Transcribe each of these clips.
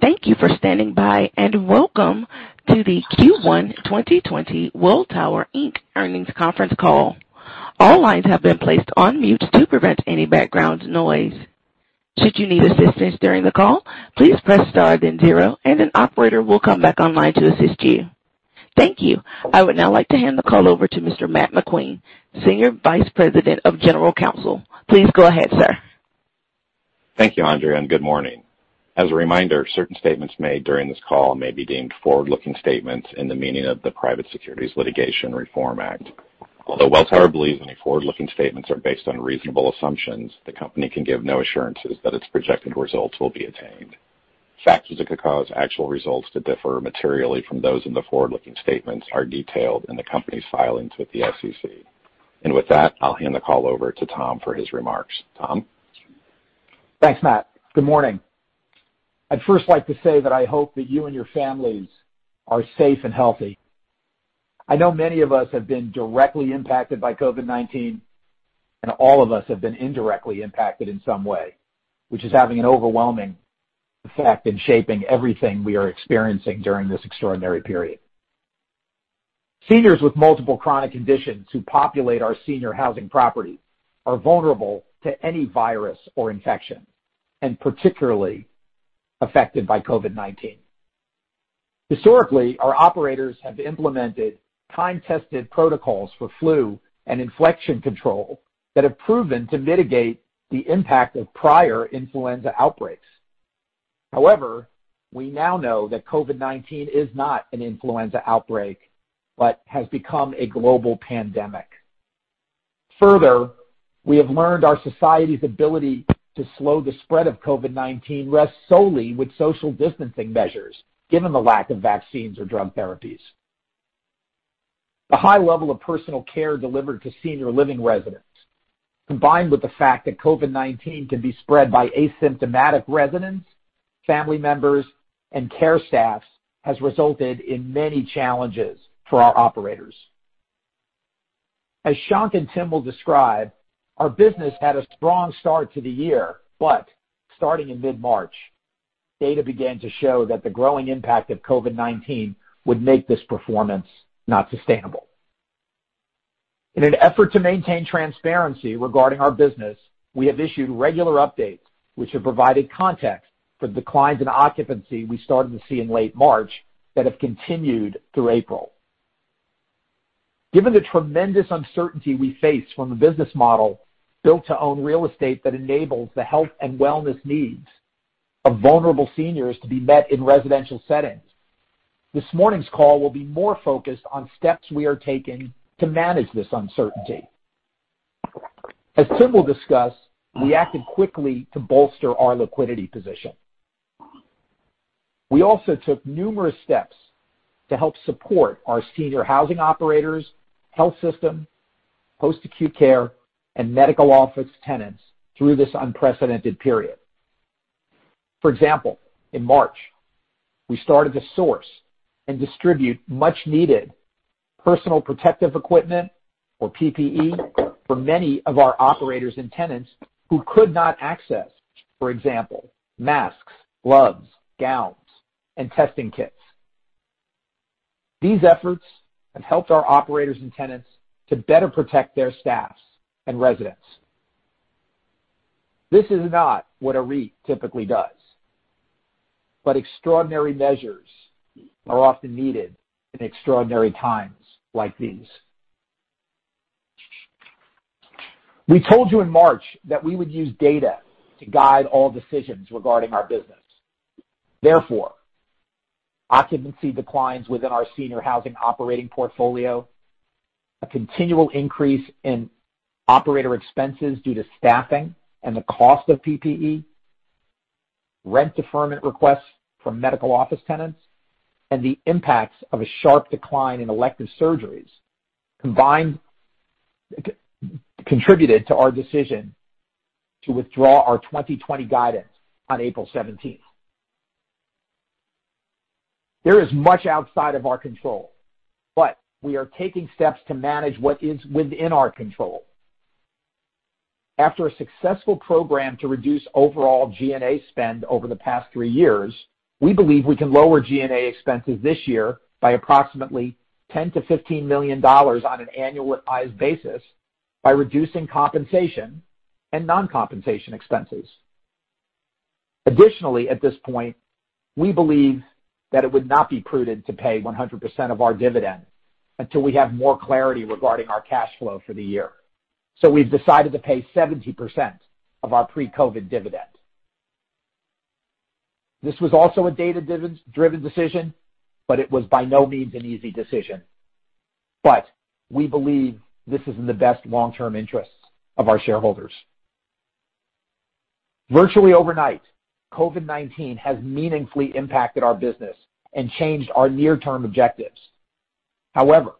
Thank you for standing by, welcome to the Q1 2020 Welltower Inc. Earnings Conference Call. All lines have been placed on mute to prevent any background noise. Should you need assistance during the call, please press star then zero, and an operator will come back online to assist you. Thank you. I would now like to hand the call over to Mr. Matt McQueen, Senior Vice President of General Counsel. Please go ahead, sir. Thank you, Andrea, and good morning. As a reminder, certain statements made during this call may be deemed forward-looking statements in the meaning of the Private Securities Litigation Reform Act. Although Welltower believes any forward-looking statements are based on reasonable assumptions, the company can give no assurances that its projected results will be attained. Factors that could cause actual results to differ materially from those in the forward-looking statements are detailed in the company's filings with the SEC. With that, I'll hand the call over to Tom DeRosa for his remarks. Tom? Thanks, Matt. Good morning. I'd first like to say that I hope that you and your families are safe and healthy. I know many of us have been directly impacted by COVID-19, and all of us have been indirectly impacted in some way, which is having an overwhelming effect in shaping everything we are experiencing during this extraordinary period. Seniors with multiple chronic conditions who populate our senior housing properties are vulnerable to any virus or infection, and particularly affected by COVID-19. Historically, our operators have implemented time-tested protocols for flu and infection control that have proven to mitigate the impact of prior influenza outbreaks. However, we now know that COVID-19 is not an influenza outbreak, but has become a global pandemic. Further, we have learned our society's ability to slow the spread of COVID-19 rests solely with social distancing measures, given the lack of vaccines or drug therapies. The high level of personal care delivered to senior living residents, combined with the fact that COVID-19 can be spread by asymptomatic residents, family members, and care staffs, has resulted in many challenges for our operators. As Shankh and Tim will describe, our business had a strong start to the year. Starting in mid-March, data began to show that the growing impact of COVID-19 would make this performance not sustainable. In an effort to maintain transparency regarding our business, we have issued regular updates, which have provided context for declines in occupancy we started to see in late March that have continued through April. Given the tremendous uncertainty we face from the business model built to own real estate that enables the health and wellness needs of vulnerable seniors to be met in residential settings, this morning's call will be more focused on steps we are taking to manage this uncertainty. As Tim will discuss, we acted quickly to bolster our liquidity position. We also took numerous steps to help support our senior housing operators, health system, post-acute care, and medical office tenants through this unprecedented period. For example, in March, we started to source and distribute much-needed personal protective equipment, or PPE, for many of our operators and tenants who could not access, for example, masks, gloves, gowns, and testing kits. These efforts have helped our operators and tenants to better protect their staffs and residents. This is not what a REIT typically does, but extraordinary measures are often needed in extraordinary times like these. We told you in March that we would use data to guide all decisions regarding our business. Therefore, occupancy declines within our senior housing operating portfolio, a continual increase in operator expenses due to staffing and the cost of PPE, rent deferment requests from medical office tenants, and the impacts of a sharp decline in elective surgeries contributed to our decision to withdraw our 2020 guidance on April 17th. There is much outside of our control, but we are taking steps to manage what is within our control. After a successful program to reduce overall G&A spend over the past three years, we believe we can lower G&A expenses this year by approximately $10 million-$15 million on an annualized basis by reducing compensation and non-compensation expenses. Additionally, at this point, we believe that it would not be prudent to pay 100% of our dividend until we have more clarity regarding our cash flow for the year. We've decided to pay 70% of our pre-COVID dividend. This was also a data-driven decision, but it was by no means an easy decision, but we believe this is in the best long-term interests of our shareholders. Virtually overnight, COVID-19 has meaningfully impacted our business and changed our near-term objectives. However,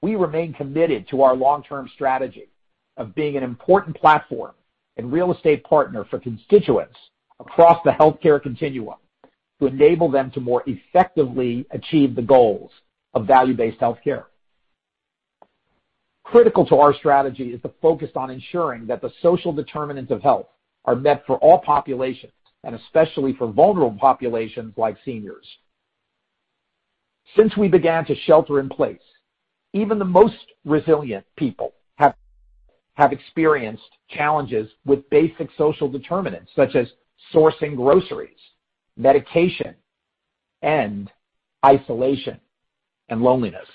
we remain committed to our long-term strategy of being an important platform and real estate partner for constituents across the healthcare continuum to enable them to more effectively achieve the goals of value-based healthcare. Critical to our strategy is the focus on ensuring that the social determinants of health are met for all populations, and especially for vulnerable populations like seniors. Since we began to shelter in place, even the most resilient people have experienced challenges with basic social determinants, such as sourcing groceries, medication, and isolation and loneliness.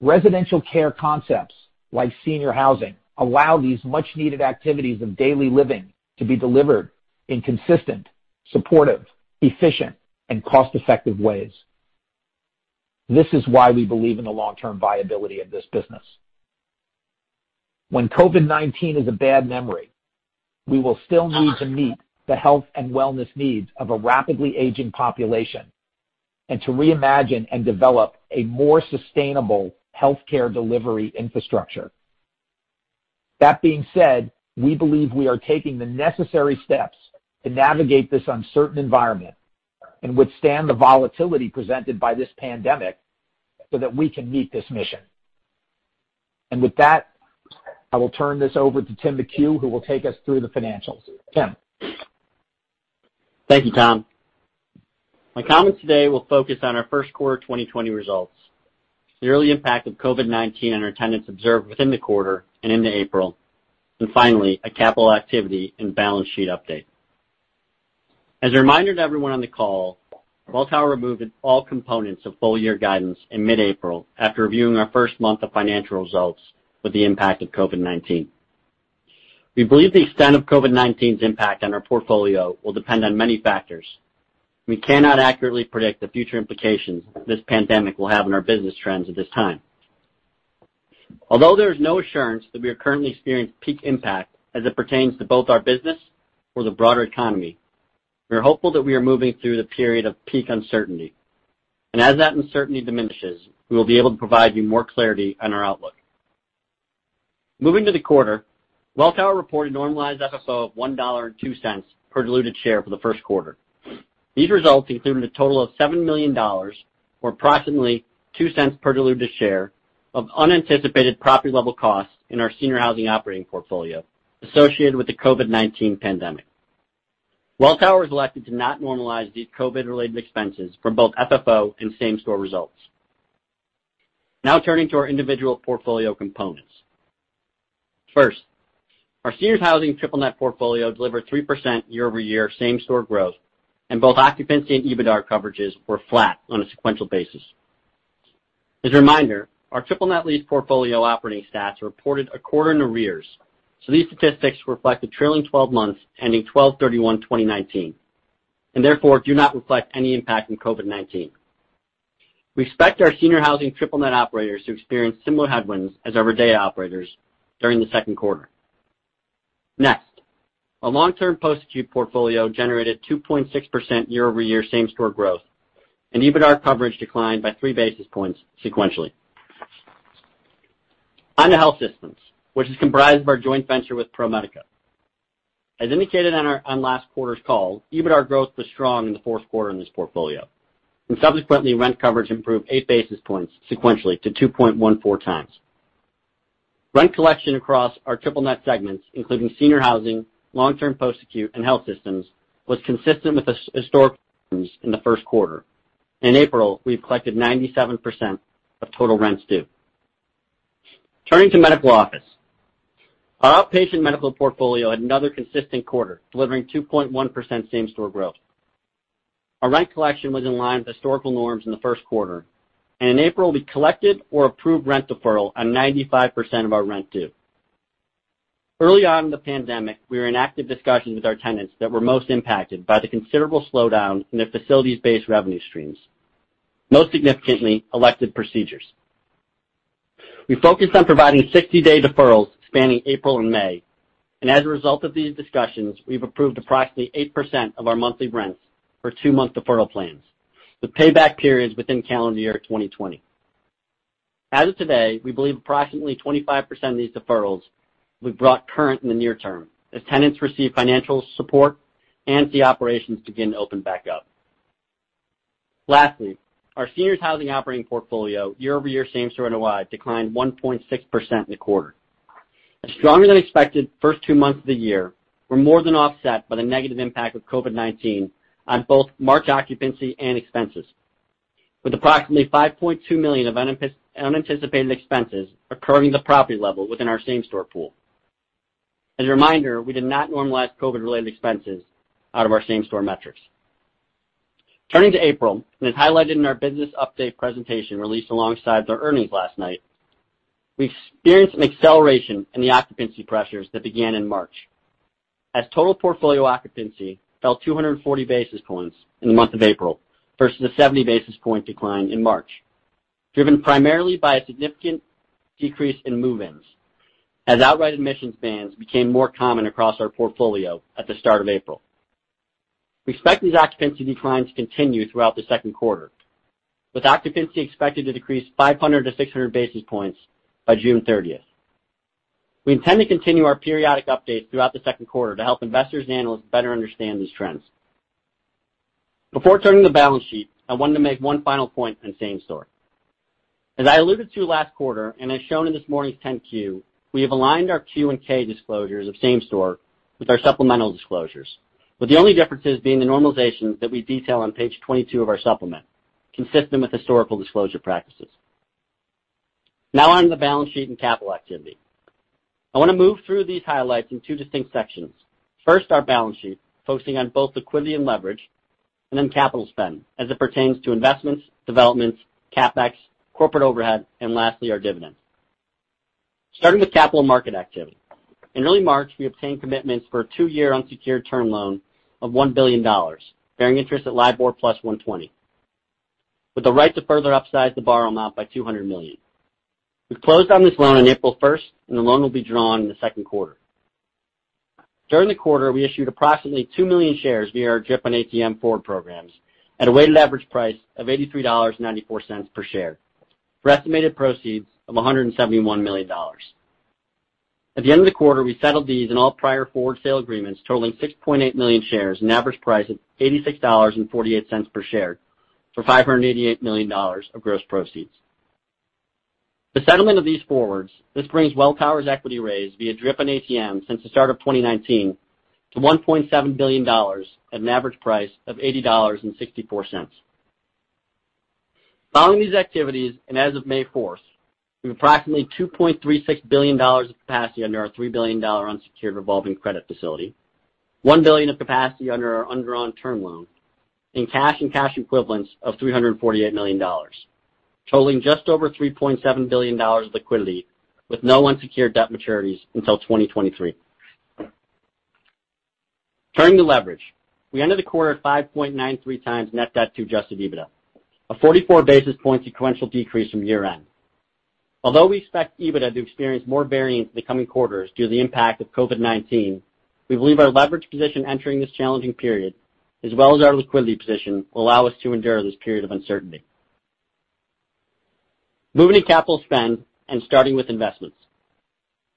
Residential care concepts like senior housing allow these much-needed activities of daily living to be delivered in consistent, supportive, efficient, and cost-effective ways. This is why we believe in the long-term viability of this business. When COVID-19 is a bad memory, we will still need to meet the health and wellness needs of a rapidly aging population and to reimagine and develop a more sustainable healthcare delivery infrastructure. That being said, we believe we are taking the necessary steps to navigate this uncertain environment and withstand the volatility presented by this pandemic so that we can meet this mission. With that, I will turn this over to Tim McHugh, who will take us through the financials. Tim? Thank you, Tom. My comments today will focus on our first quarter 2020 results, the early impact of COVID-19 on our tenants observed within the quarter and into April, and finally, a capital activity and balance sheet update. As a reminder to everyone on the call, Welltower removed all components of full-year guidance in mid-April after reviewing our first month of financial results with the impact of COVID-19. We believe the extent of COVID-19's impact on our portfolio will depend on many factors. We cannot accurately predict the future implications this pandemic will have on our business trends at this time. Although there is no assurance that we are currently experiencing peak impact as it pertains to both our business or the broader economy, we are hopeful that we are moving through the period of peak uncertainty, and as that uncertainty diminishes, we will be able to provide you more clarity on our outlook. Moving to the quarter, Welltower reported normalized Funds from Operations of $1.02 per diluted share for the first quarter. These results included a total of $7 million, or approximately $0.02 per diluted share, of unanticipated property-level costs in our senior housing operating portfolio associated with the COVID-19 pandemic. Welltower has elected to not normalize these COVID-related expenses for both FFO and same-store results. Turning to our individual portfolio components. First, our seniors housing triple net portfolio delivered 3% year-over-year same-store growth, and both occupancy and EBITDAR coverages were flat on a sequential basis. As a reminder, our triple net lease portfolio operating stats are reported a quarter in arrears. These statistics reflect the trailing 12 months ending 12/31/2019, and therefore do not reflect any impact from COVID-19. We expect our senior housing triple net operators to experience similar headwinds as RIDelOur Day operators during the second quarter. Next, our long-term post-acute portfolio generated 2.6% year-over-year same-store growth, and EBITDAR coverage declined by three basis points sequentially. On to health systems, which is comprised of our joint venture with ProMedica. As indicated on last quarter's call, EBITDAR growth was strong in the fourth quarter in this portfolio, and subsequently, rent coverage improved eight basis points sequentially to 2.14x. Rent collection across our triple net segments, including senior housing, long-term post-acute, and health systems, was consistent with historical trends in the first quarter. In April, we've collected 97% of total rents due. Turning to medical office. Our outpatient medical portfolio had another consistent quarter, delivering 2.1% same-store growth. Our rent collection was in line with historical norms in the first quarter, and in April, we collected or approved rent deferral on 95% of our rent due. Early on in the pandemic, we were in active discussions with our tenants that were most impacted by the considerable slowdown in their facilities-based revenue streams, most significantly, elective procedures. We focused on providing 60-day deferrals spanning April and May, and as a result of these discussions, we've approved approximately 8% of our monthly rents for two-month deferral plans, with payback periods within calendar year 2020. As of today, we believe approximately 25% of these deferrals we've brought current in the near term as tenants receive financial support and see operations begin to open back up. Our seniors housing operating portfolio year-over-year same-store Net Operating Income declined 1.6% in the quarter. A stronger-than-expected first two months of the year were more than offset by the negative impact of COVID-19 on both March occupancy and expenses, with approximately $5.2 million of unanticipated expenses occurring at the property level within our same-store pool. As a reminder, we did not normalize COVID-related expenses out of our same-store metrics. Turning to April, as highlighted in our business update presentation released alongside our earnings last night, we experienced an acceleration in the occupancy pressures that began in March, as total portfolio occupancy fell 240 basis points in the month of April versus a 70 basis points decline in March, driven primarily by a significant decrease in move-ins as outright admissions bans became more common across our portfolio at the start of April. We expect these occupancy declines to continue throughout the second quarter, with occupancy expected to decrease 500 basis points-600 basis points by June 30th. We intend to continue our periodic updates throughout the second quarter to help investors and analysts better understand these trends. Before turning the balance sheet, I wanted to make one final point on same-store. As I alluded to last quarter and as shown in this morning's 10-Q, we have aligned our Form 10-Q and Form 10-K disclosures of same-store with our supplemental disclosures, with the only differences being the normalizations that we detail on page 22 of our supplement, consistent with historical disclosure practices. Now on to the balance sheet and capital activity. I want to move through these highlights in two distinct sections. First, our balance sheet, focusing on both liquidity and leverage, then capital spend as it pertains to investments, developments, CapEx, corporate overhead, and lastly, our dividend. Starting with capital market activity. In early March, we obtained commitments for a two-year unsecured term loan of $1 billion, bearing interest at LIBOR +120, with the right to further upsize the borrow amount by $200 million. We closed on this loan on April 1st, and the loan will be drawn in the second quarter. During the quarter, we issued approximately 2 million shares via our dividend reinvestment plan and at-the-market forward programs at a weighted average price of $83.94 per share for estimated proceeds of $171 million. At the end of the quarter, we settled these in all prior forward sale agreements totaling 6.8 million shares and an average price of $86.48 per share for $588 million of gross proceeds. The settlement of these forwards, this brings Welltower's equity raise via DRIP and ATM since the start of 2019 to $1.7 billion at an average price of $80.64. Following these activities, and as of May 4th, we have approximately $2.36 billion of capacity under our $3 billion unsecured revolving credit facility, $1 billion of capacity under our undrawn term loan, and cash and cash equivalents of $348 million, totaling just over $3.7 billion of liquidity, with no unsecured debt maturities until 2023. Turning to leverage. We ended the quarter at 5.93x net debt to adjusted EBITDA, a 44 basis points sequential decrease from year-end. Although we expect EBITDA to experience more variance in the coming quarters due to the impact of COVID-19, we believe our leverage position entering this challenging period, as well as our liquidity position, will allow us to endure this period of uncertainty. Moving to capital spend and starting with investments.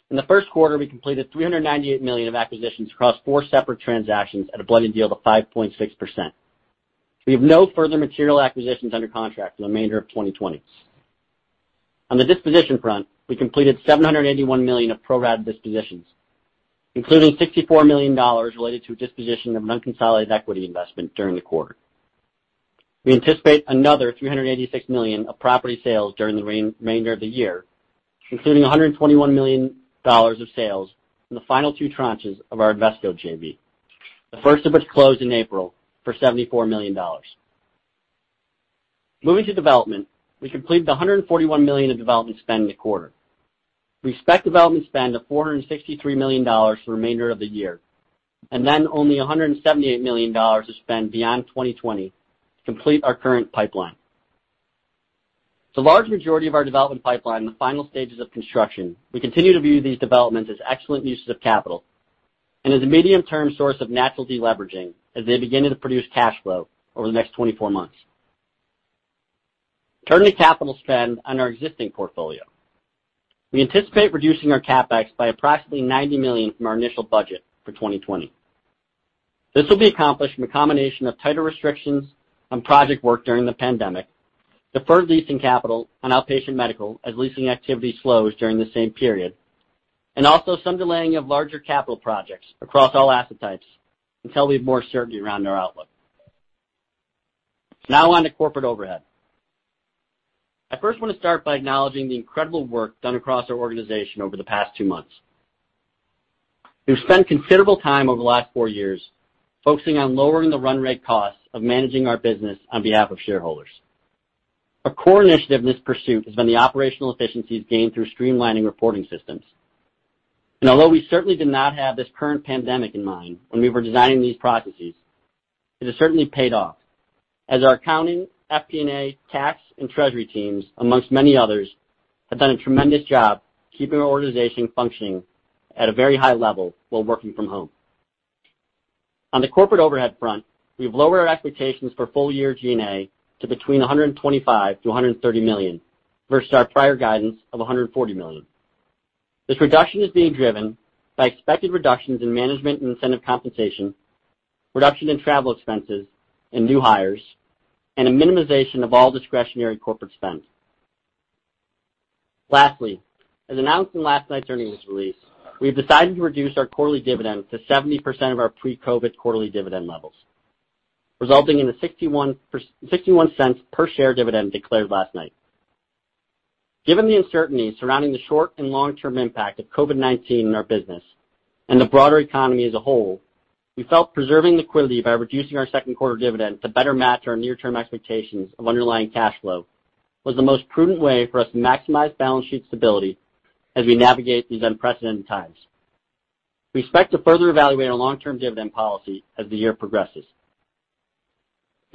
In the first quarter, we completed $398 million of acquisitions across four separate transactions at a blended yield of 5.6%. We have no further material acquisitions under contract for the remainder of 2020. On the disposition front, we completed $781 million of pro-rata dispositions, including $64 million related to a disposition of an unconsolidated equity investment during the quarter. We anticipate another $386 million of property sales during the remainder of the year, including $121 million of sales in the final two tranches of our Invesco joint venture, the first of which closed in April for $74 million. Moving to development, we completed $141 million of development spend in the quarter. We expect development spend of $463 million for the remainder of the year, and then only $178 million of spend beyond 2020 to complete our current pipeline. The large majority of our development pipeline in the final stages of construction, we continue to view these developments as excellent uses of capital and as a medium-term source of natural deleveraging as they begin to produce cash flow over the next 24 months. Turning to capital spend on our existing portfolio. We anticipate reducing our CapEx by approximately $90 million from our initial budget for 2020. Also some delaying of larger capital projects across all asset types until we have more certainty around our outlook. On to corporate overhead. I first want to start by acknowledging the incredible work done across our organization over the past two months. We've spent considerable time over the last four years focusing on lowering the run rate costs of managing our business on behalf of shareholders. A core initiative in this pursuit has been the operational efficiencies gained through streamlining reporting systems. Although we certainly did not have this current pandemic in mind when we were designing these processes, it has certainly paid off, as our accounting, FP&A, tax, and treasury teams, amongst many others, have done a tremendous job keeping our organization functioning at a very high level while working from home. On the corporate overhead front, we've lowered our expectations for full-year G&A to between $125 million-$130 million, versus our prior guidance of $140 million. This reduction is being driven by expected reductions in management and incentive compensation, reduction in travel expenses and new hires, and a minimization of all discretionary corporate spend. Lastly, as announced in last night's earnings release, we've decided to reduce our quarterly dividend to 70% of our pre-COVID quarterly dividend levels, resulting in the $0.61 per share dividend declared last night. Given the uncertainty surrounding the short and long-term impact of COVID-19 in our business and the broader economy as a whole, we felt preserving liquidity by reducing our second quarter dividend to better match our near-term expectations of underlying cash flow was the most prudent way for us to maximize balance sheet stability as we navigate these unprecedented times. We expect to further evaluate our long-term dividend policy as the year progresses.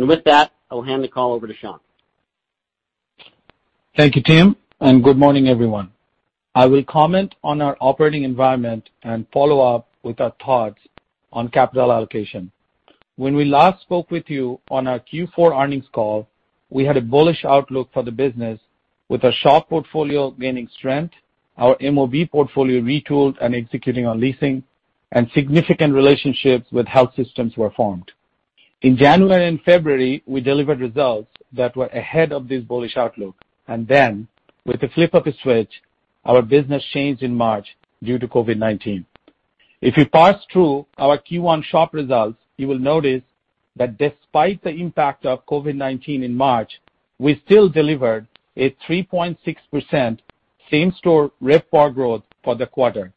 With that, I will hand the call over to Shankh Mitra. Thank you, Tim, and good morning, everyone. I will comment on our operating environment and follow up with our thoughts on capital allocation. When we last spoke with you on our Q4 earnings call, we had a bullish outlook for the business with our seniors housing operating portfolio gaining strength, our medical office building portfolio retooled and executing on leasing. Significant relationships with health systems were formed. In January and February, we delivered results that were ahead of this bullish outlook. With the flip of a switch, our business changed in March due to COVID-19. If you parse through our Q1 SHOP results, you will notice that despite the impact of COVID-19 in March, we still delivered a 3.6% same-store revenue per available room growth for the quarter.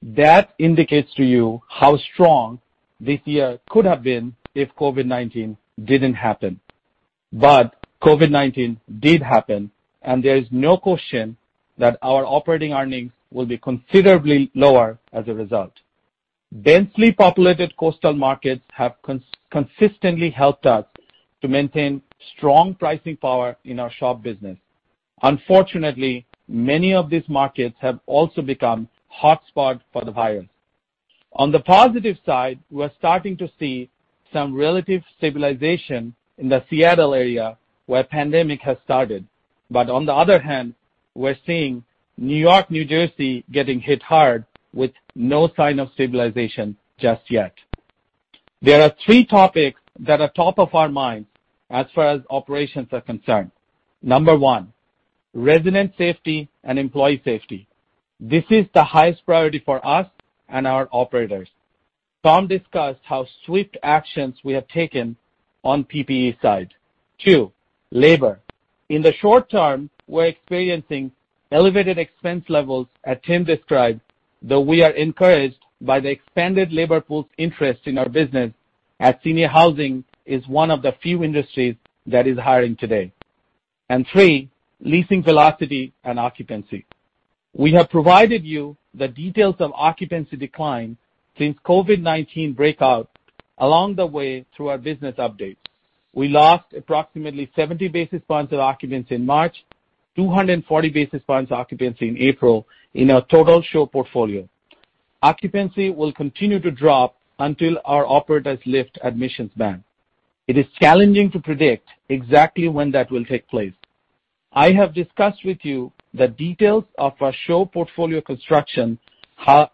That indicates to you how strong this year could have been if COVID-19 didn't happen. COVID-19 did happen, and there's no question that our operating earnings will be considerably lower as a result. Densely populated coastal markets have consistently helped us to maintain strong pricing power in our SHOP business. Unfortunately, many of these markets have also become hotspot for the virus. On the positive side, we're starting to see some relative stabilization in the Seattle area where pandemic has started. On the other hand, we're seeing New York, New Jersey getting hit hard with no sign of stabilization just yet. There are three topics that are top of our minds as far as operations are concerned. Number one, resident safety and employee safety. This is the highest priority for us and our operators. Tom discussed how swift actions we have taken on PPE side. Two, labor. In the short term, we're experiencing elevated expense levels as Tim described, though we are encouraged by the expanded labor pool's interest in our business as senior housing is one of the few industries that is hiring today. Three, leasing velocity and occupancy. We have provided you the details of occupancy decline since COVID-19 breakout along the way through our business updates. We lost approximately 70 basis points of occupants in March, 240 basis points occupancy in April in our total SHOP portfolio. Occupancy will continue to drop until our operators lift admissions ban. It is challenging to predict exactly when that will take place. I have discussed with you the details of our SHOP portfolio construction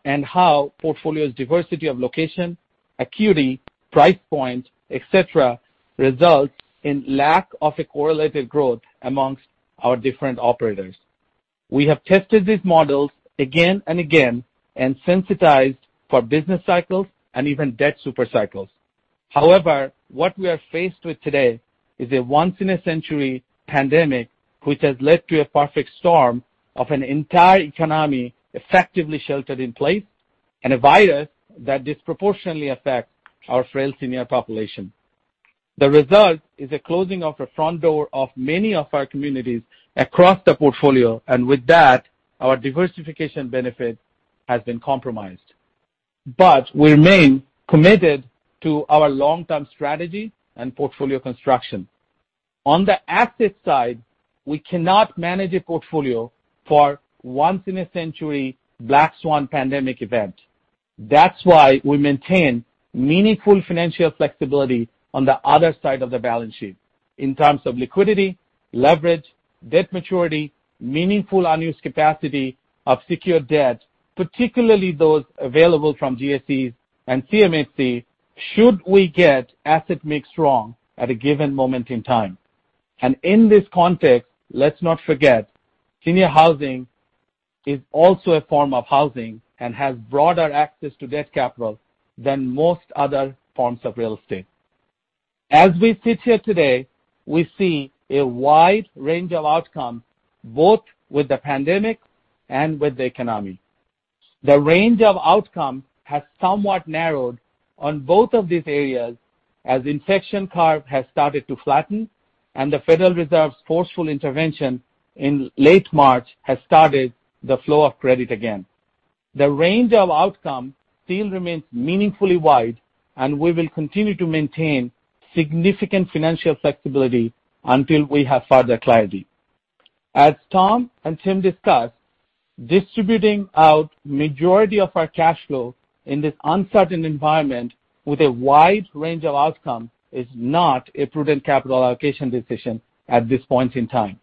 and how portfolio's diversity of location, acuity, price point, et cetera, results in lack of a correlated growth amongst our different operators. We have tested these models again and again, sensitized for business cycles and even debt super cycles. What we are faced with today is a once in a century pandemic, which has led to a perfect storm of an entire economy effectively sheltered in place, and a virus that disproportionately affect our frail senior population. The result is a closing of the front door of many of our communities across the portfolio, with that, our diversification benefit has been compromised. We remain committed to our long-term strategy and portfolio construction. On the asset side, we cannot manage a portfolio for once in a century black swan pandemic event. That's why we maintain meaningful financial flexibility on the other side of the balance sheet in terms of liquidity, leverage, debt maturity, meaningful unused capacity of secured debt, particularly those available from government-sponsored enterprises and Canada Mortgage and Housing Corporation should we get asset mix wrong at a given moment in time. In this context, let's not forget, senior housing is also a form of housing and has broader access to debt capital than most other forms of real estate. As we sit here today, we see a wide range of outcome, both with the pandemic and with the economy. The range of outcome has somewhat narrowed on both of these areas as infection curve has started to flatten and the Federal Reserve's forceful intervention in late March has started the flow of credit again. The range of outcome still remains meaningfully wide. We will continue to maintain significant financial flexibility until we have further clarity. As Tom and Tim discussed, distributing out majority of our cash flow in this uncertain environment with a wide range of outcome is not a prudent capital allocation decision at this point in time.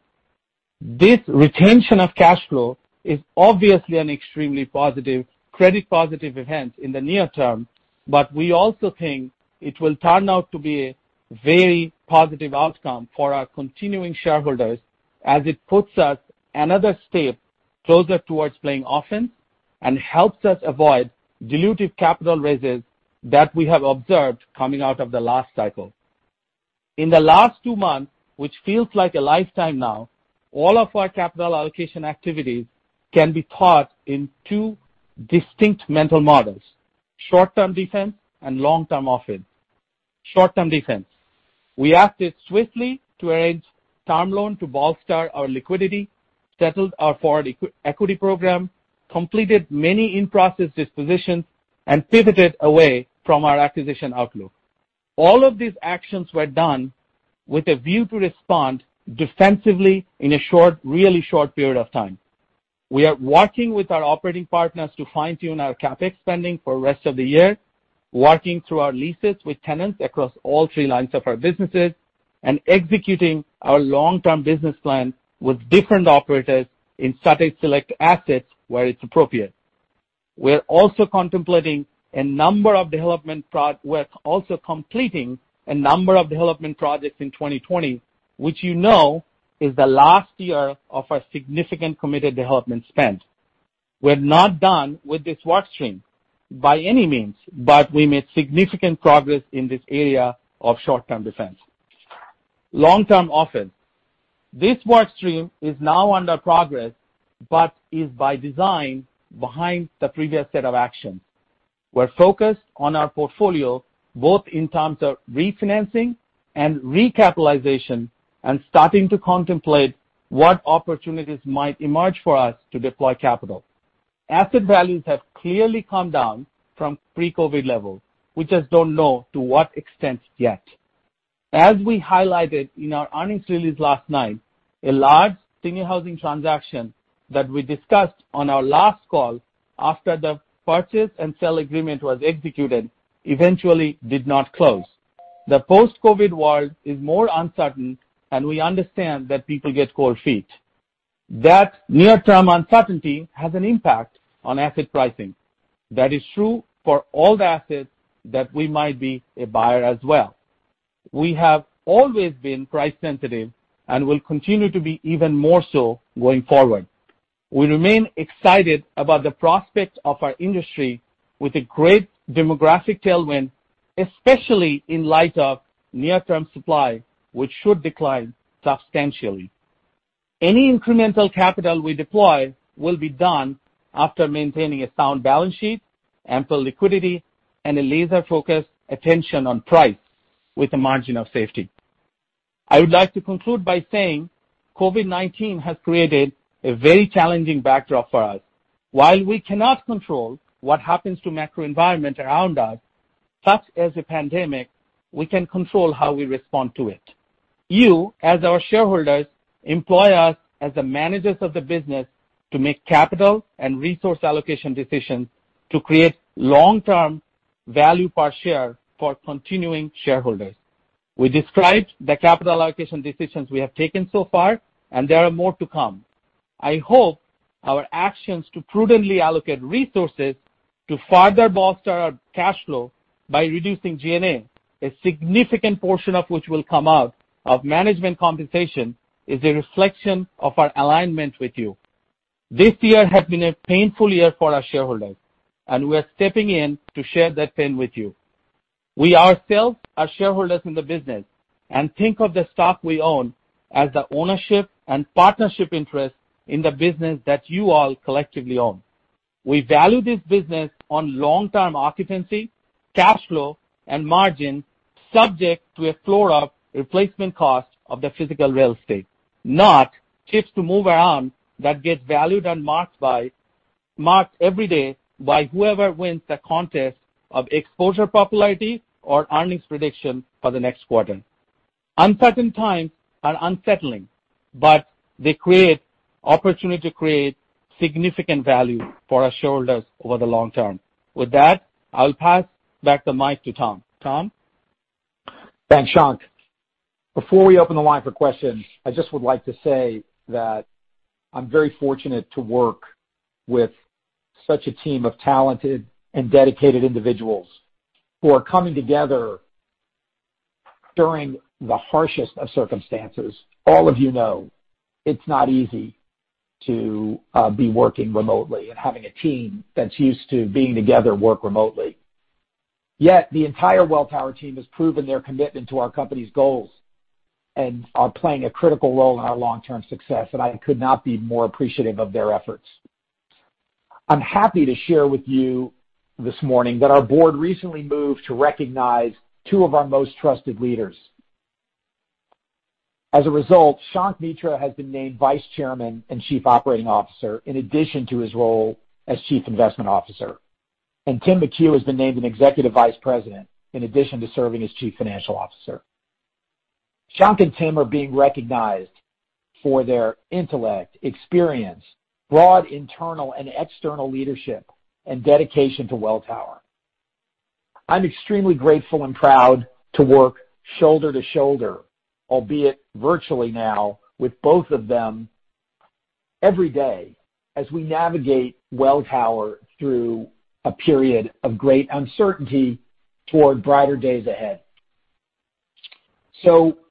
This retention of cash flow is obviously an extremely positive, credit positive event in the near term. We also think it will turn out to be a very positive outcome for our continuing shareholders as it puts us another step closer towards playing offense and helps us avoid dilutive capital raises that we have observed coming out of the last cycle. In the last two months, which feels like a lifetime now, all of our capital allocation activities can be taught in two distinct mental models: short-term defense and long-term offense. Short-term defense. We acted swiftly to arrange term loan to bolster our liquidity, settled our forward equity program, completed many in-process dispositions, and pivoted away from our acquisition outlook. All of these actions were done with a view to respond defensively in a short, really short period of time. We are working with our operating partners to fine-tune our CapEx spending for rest of the year. Working through our leases with tenants across all three lines of our businesses and executing our long-term business plan with different operators in select assets where it's appropriate. We're also completing a number of development projects in 2020, which you know is the last year of our significant committed development spend. We're not done with this work stream by any means. We made significant progress in this area of short-term defense. Long-term offense. This work stream is now under progress but is by design behind the previous set of actions. We're focused on our portfolio both in terms of refinancing and recapitalization, and starting to contemplate what opportunities might emerge for us to deploy capital. Asset values have clearly come down from pre-COVID levels. We just don't know to what extent yet. As we highlighted in our earnings release last night, a large senior housing transaction that we discussed on our last call after the purchase and sale agreement was executed, eventually did not close. The post-COVID world is more uncertain, and we understand that people get cold feet. That near-term uncertainty has an impact on asset pricing. That is true for all the assets that we might be a buyer as well. We have always been price sensitive and will continue to be even more so going forward. We remain excited about the prospects of our industry with a great demographic tailwind, especially in light of near-term supply, which should decline substantially. Any incremental capital we deploy will be done after maintaining a sound balance sheet, ample liquidity, and a laser-focused attention on price with a margin of safety. I would like to conclude by saying COVID-19 has created a very challenging backdrop for us. While we cannot control what happens to macro environment around us, such as a pandemic, we can control how we respond to it. You, as our shareholders, employ us as the managers of the business to make capital and resource allocation decisions to create long-term value per share for continuing shareholders. We described the capital allocation decisions we have taken so far, and there are more to come. I hope our actions to prudently allocate resources to further bolster our cash flow by reducing G&A, a significant portion of which will come out of management compensation, is a reflection of our alignment with you. This year has been a painful year for our shareholders, and we're stepping in to share that pain with you. We ourselves are shareholders in the business and think of the stock we own as the ownership and partnership interest in the business that you all collectively own. We value this business on long-term occupancy, cash flow, and margin, subject to a floor of replacement cost of the physical real estate, not chips to move around that get valued and marked every day by whoever wins the contest of exposure popularity or earnings prediction for the next quarter. Uncertain times are unsettling, but they create opportunity to create significant value for our shareholders over the long term. With that, I'll pass back the mic to Tom. Tom? Thanks, Shankh. Before we open the line for questions, I just would like to say that I'm very fortunate to work with such a team of talented and dedicated individuals who are coming together during the harshest of circumstances. All of you know it's not easy to be working remotely and having a team that's used to being together work remotely. Yet the entire Welltower team has proven their commitment to our company's goals and are playing a critical role in our long-term success, and I could not be more appreciative of their efforts. I'm happy to share with you this morning that our board recently moved to recognize two of our most trusted leaders. As a result, Shankh Mitra has been named Vice Chairman and Chief Operating Officer, in addition to his role as Chief Investment Officer, and Tim McHugh has been named an Executive Vice President, in addition to serving as Chief Financial Officer. Shankh and Tim are being recognized for their intellect, experience, broad internal and external leadership, and dedication to Welltower. I'm extremely grateful and proud to work shoulder to shoulder, albeit virtually now, with both of them every day as we navigate Welltower through a period of great uncertainty toward brighter days ahead.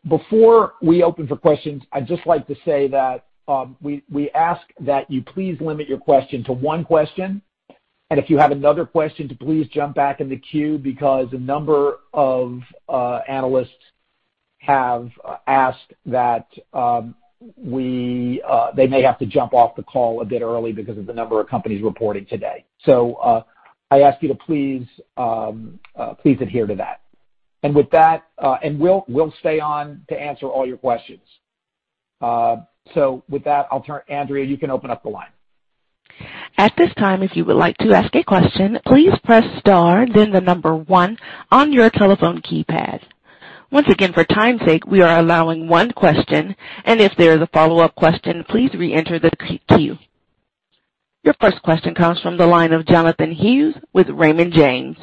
Before we open for questions, I'd just like to say that we ask that you please limit your question to one question, and if you have another question, to please jump back in the queue because a number of analysts have asked that they may have to jump off the call a bit early because of the number of companies reporting today. I ask you to please adhere to that. We'll stay on to answer all your questions. With that, Andrea, you can open up the line. At this time, if you would like to ask a question, please press star then the number one on your telephone keypad. Once again, for time's sake, we are allowing one question, and if there is a follow-up question, please reenter the queue. Your first question comes from the line of Jonathan Hughes with Raymond James.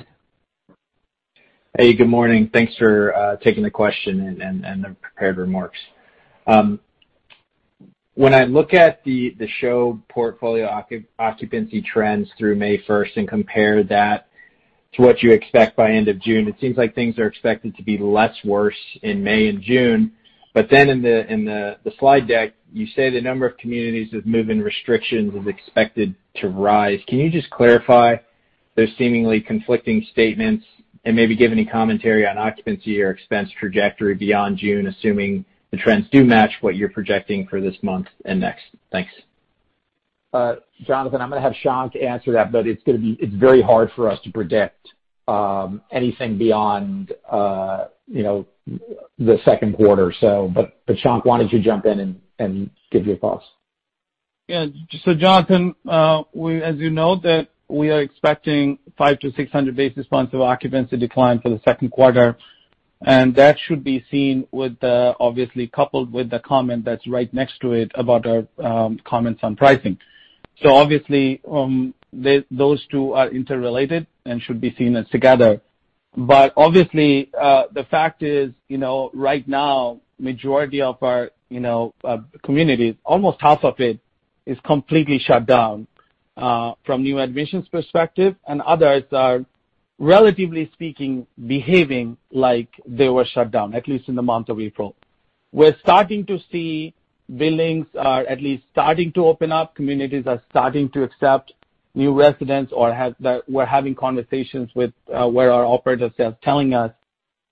Hey, good morning. Thanks for taking the question and the prepared remarks. When I look at the SHOP portfolio occupancy trends through May 1st and compare that to what you expect by end of June, it seems like things are expected to be less worse in May and June. In the slide deck, you say the number of communities with move-in restrictions is expected to rise. Can you just clarify those seemingly conflicting statements and maybe give any commentary on occupancy or expense trajectory beyond June, assuming the trends do match what you're projecting for this month and next? Thanks. Jonathan, I'm going to have Shankh answer that, but it's very hard for us to predict anything beyond the second quarter. Shankh, why don't you jump in and give your thoughts? Jonathan, as you know, that we are expecting 500 basis points-600 basis points of occupancy decline for the second quarter, and that should be seen obviously coupled with the comment that's right next to it about our comments on pricing. Obviously, those two are interrelated and should be seen as together. Obviously, the fact is right now, majority of our communities, almost half of it, is completely shut down from new admissions perspective, and others are, relatively speaking, behaving like they were shut down, at least in the month of April. We're starting to see buildings are at least starting to open up. Communities are starting to accept new residents, or we're having conversations with where our operator sales telling us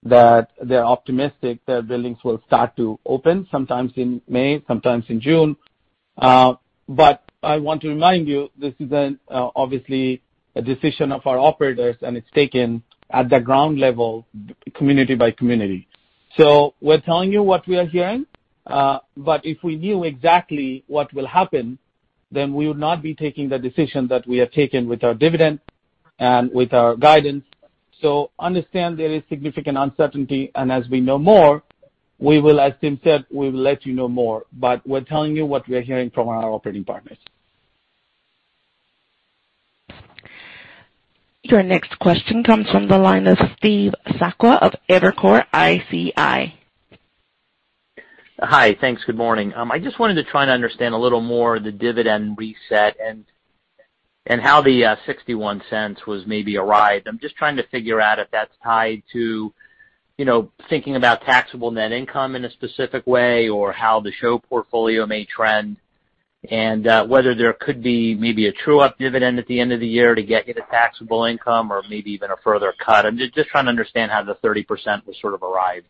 that they're optimistic that buildings will start to open sometimes in May, sometimes in June. I want to remind you, this is obviously a decision of our operators, and it's taken at the ground level, community by community. We're telling you what we are hearing. If we knew exactly what will happen, then we would not be taking the decision that we have taken with our dividend and with our guidance. Understand there is significant uncertainty, and as we know more, we will, as Tim said, we will let you know more, but we're telling you what we are hearing from our operating partners. Your next question comes from the line of Steve Sakwa of Evercore ISI. Hi. Thanks. Good morning. I just wanted to try and understand a little more the dividend reset and how the $0.61 was maybe arrived. I'm just trying to figure out if that's tied to thinking about taxable net income in a specific way or how the SHOP portfolio may trend and whether there could be maybe a true-up dividend at the end of the year to get you to taxable income or maybe even a further cut. I'm just trying to understand how the 30% was sort of arrived.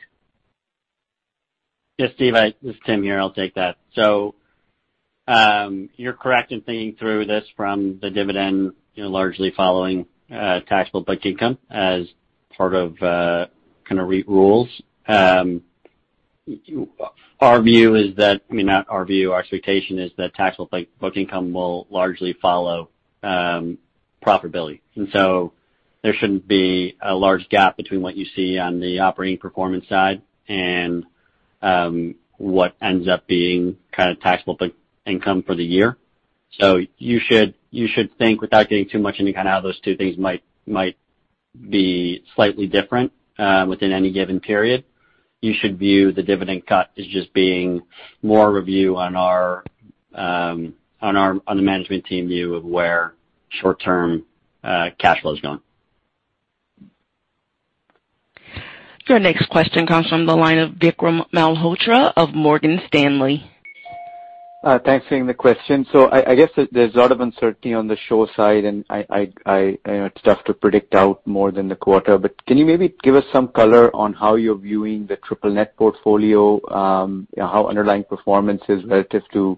Yes, Steve, this is Tim here. I'll take that. You're correct in thinking through this from the dividend largely following taxable book income as part of kind of REIT rules. I mean, not our view, our expectation is that taxable book income will largely follow profitability, there shouldn't be a large gap between what you see on the operating performance side and what ends up being kind of taxable income for the year. You should think, without getting too much into kind of how those two things might be slightly different within any given period. You should view the dividend cut as just being more a review on the management team view of where short-term cash flow is going. Your next question comes from the line of Vikram Malhotra of Morgan Stanley. Thanks for taking the question. I guess there's a lot of uncertainty on the SHOP side, and it's tough to predict out more than the quarter. Can you maybe give us some color on how you're viewing the triple net portfolio, how underlying performance is relative to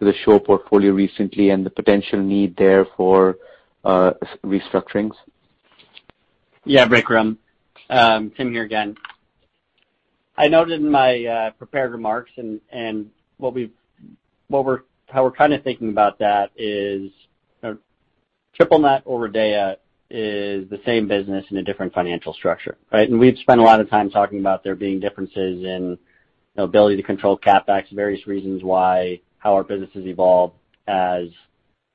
the SHOP portfolio recently and the potential need there for restructurings? Yeah, Vikram. Tim here again. I noted in my prepared remarks and how we're kind of thinking about that is triple net or REIT Investment Diversification and Empowerment Act is the same business in a different financial structure, right? We've spent a lot of time talking about there being differences in ability to control CapEx, various reasons why, how our business has evolved as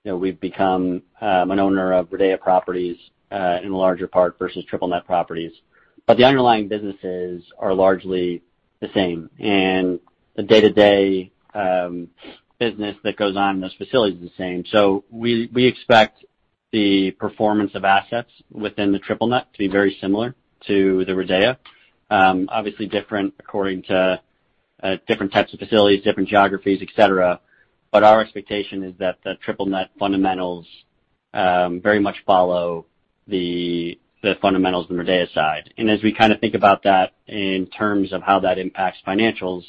we've become an owner of RIDEA properties in larger part versus triple net properties. The underlying businesses are largely the same, and the day-to-day business that goes on in those facilities is the same. We expect the performance of assets within the triple net to be very similar to the RIDEA. Obviously different according to different types of facilities, different geographies, et cetera. Our expectation is that the triple net fundamentals very much follow the fundamentals on the RIDEA side. As we kind of think about that in terms of how that impacts financials,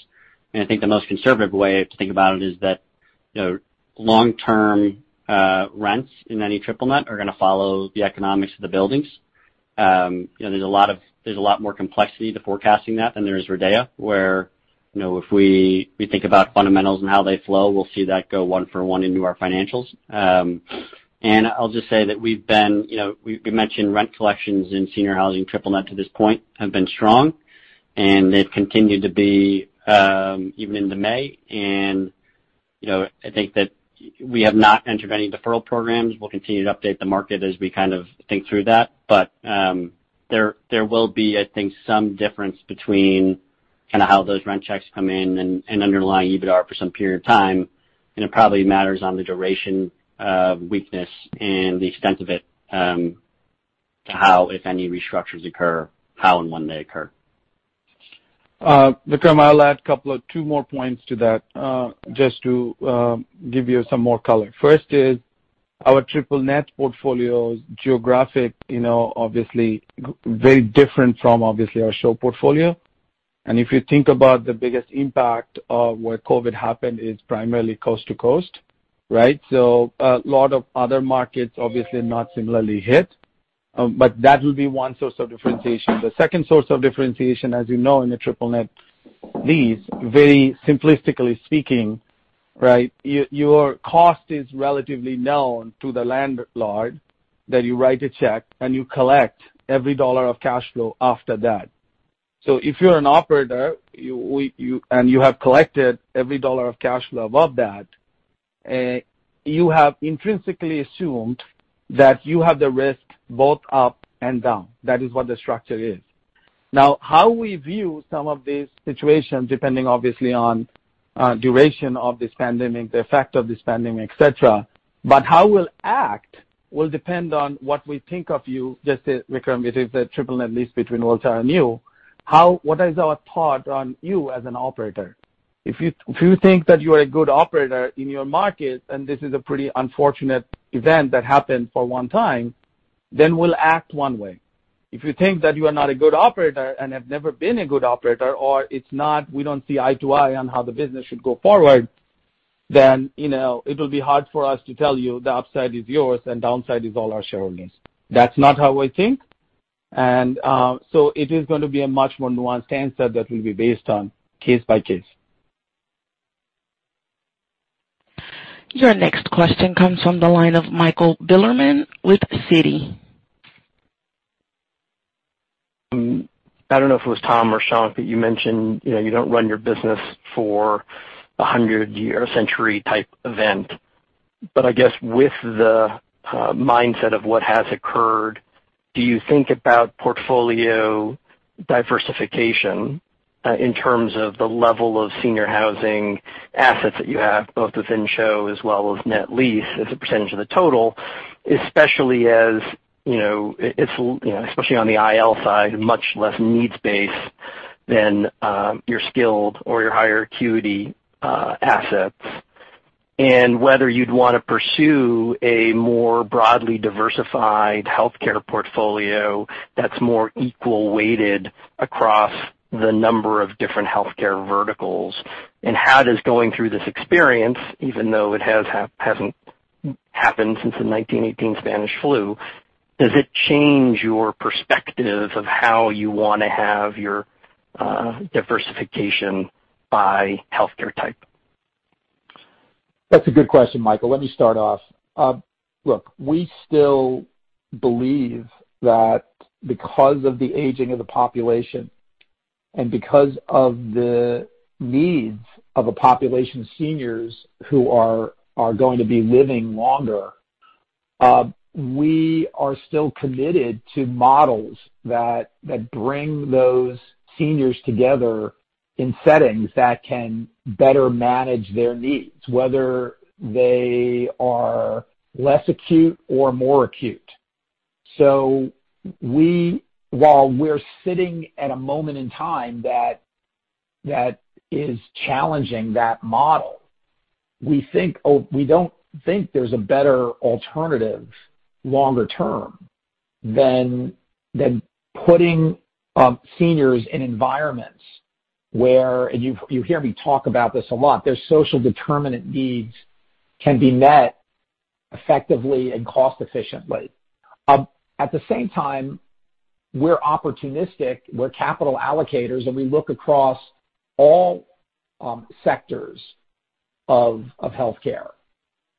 and I think the most conservative way to think about it is that long-term rents in any triple net are going to follow the economics of the buildings. There's a lot more complexity to forecasting that than there is RIDEA, where if we think about fundamentals and how they flow, we'll see that go one for one into our financials. I'll just say that we've mentioned rent collections in senior housing triple net to this point have been strong, and they've continued to be even into May. I think that we have not entered any deferral programs. We'll continue to update the market as we kind of think through that. There will be, I think, some difference between how those rent checks come in and underlying EBITDA for some period of time, and it probably matters on the duration of weakness and the extent of it, to how, if any restructures occur, how and when they occur. Vikram, I'll add two more points to that, just to give you some more color. First is our triple net portfolio's geographic, obviously very different from obviously our SHOP portfolio. If you think about the biggest impact of where COVID happened is primarily coast to coast, right? A lot of other markets obviously not similarly hit, but that will be one source of differentiation. The second source of differentiation, as you know, in the triple net lease, very simplistically speaking, right? Your cost is relatively known to the landlord, that you write a check and you collect every $1 of cash flow after that. If you're an operator, and you have collected every $1 of cash flow above that, you have intrinsically assumed that you have the risk both up and down. That is what the structure is. How we view some of these situations, depending obviously on duration of this pandemic, the effect of this pandemic, et cetera, but how we'll act will depend on what we think of you, just as Vikram, it is a triple net lease between Welltower and you. What is our thought on you as an operator? If you think that you are a good operator in your market, and this is a pretty unfortunate event that happened for one time, then we'll act one way. If you think that you are not a good operator and have never been a good operator, or we don't see eye to eye on how the business should go forward, then it will be hard for us to tell you the upside is yours and downside is all our shareholders. That's not how I think. It is going to be a much more nuanced answer that will be based on case by case. Your next question comes from the line of Michael Bilerman with Citigroup. I don't know if it was Tom or Shankh, but you mentioned you don't run your business for a 100-year, a century type event. I guess with the mindset of what has occurred, do you think about portfolio diversification in terms of the level of senior housing assets that you have, both within SHOP as well as net lease as a percentage of the total, especially on the IL side, much less needs-based than your skilled or your higher acuity assets? Whether you'd want to pursue a more broadly diversified healthcare portfolio that's more equal-weighted across the number of different healthcare verticals, and how does going through this experience, even though it hasn't happened since the 1918 Spanish flu, does it change your perspective of how you want to have your diversification by healthcare type? That's a good question, Michael. Let me start off. Look, we still believe that because of the aging of the population and because of the needs of a population of seniors who are going to be living longer, we are still committed to models that bring those seniors together in settings that can better manage their needs, whether they are less acute or more acute. While we're sitting at a moment in time that is challenging that model, we don't think there's a better alternative longer term than putting seniors in environments where, and you hear me talk about this a lot, their social determinant needs can be met effectively and cost efficiently. At the same time, we're opportunistic, we're capital allocators, and we look across all sectors of healthcare.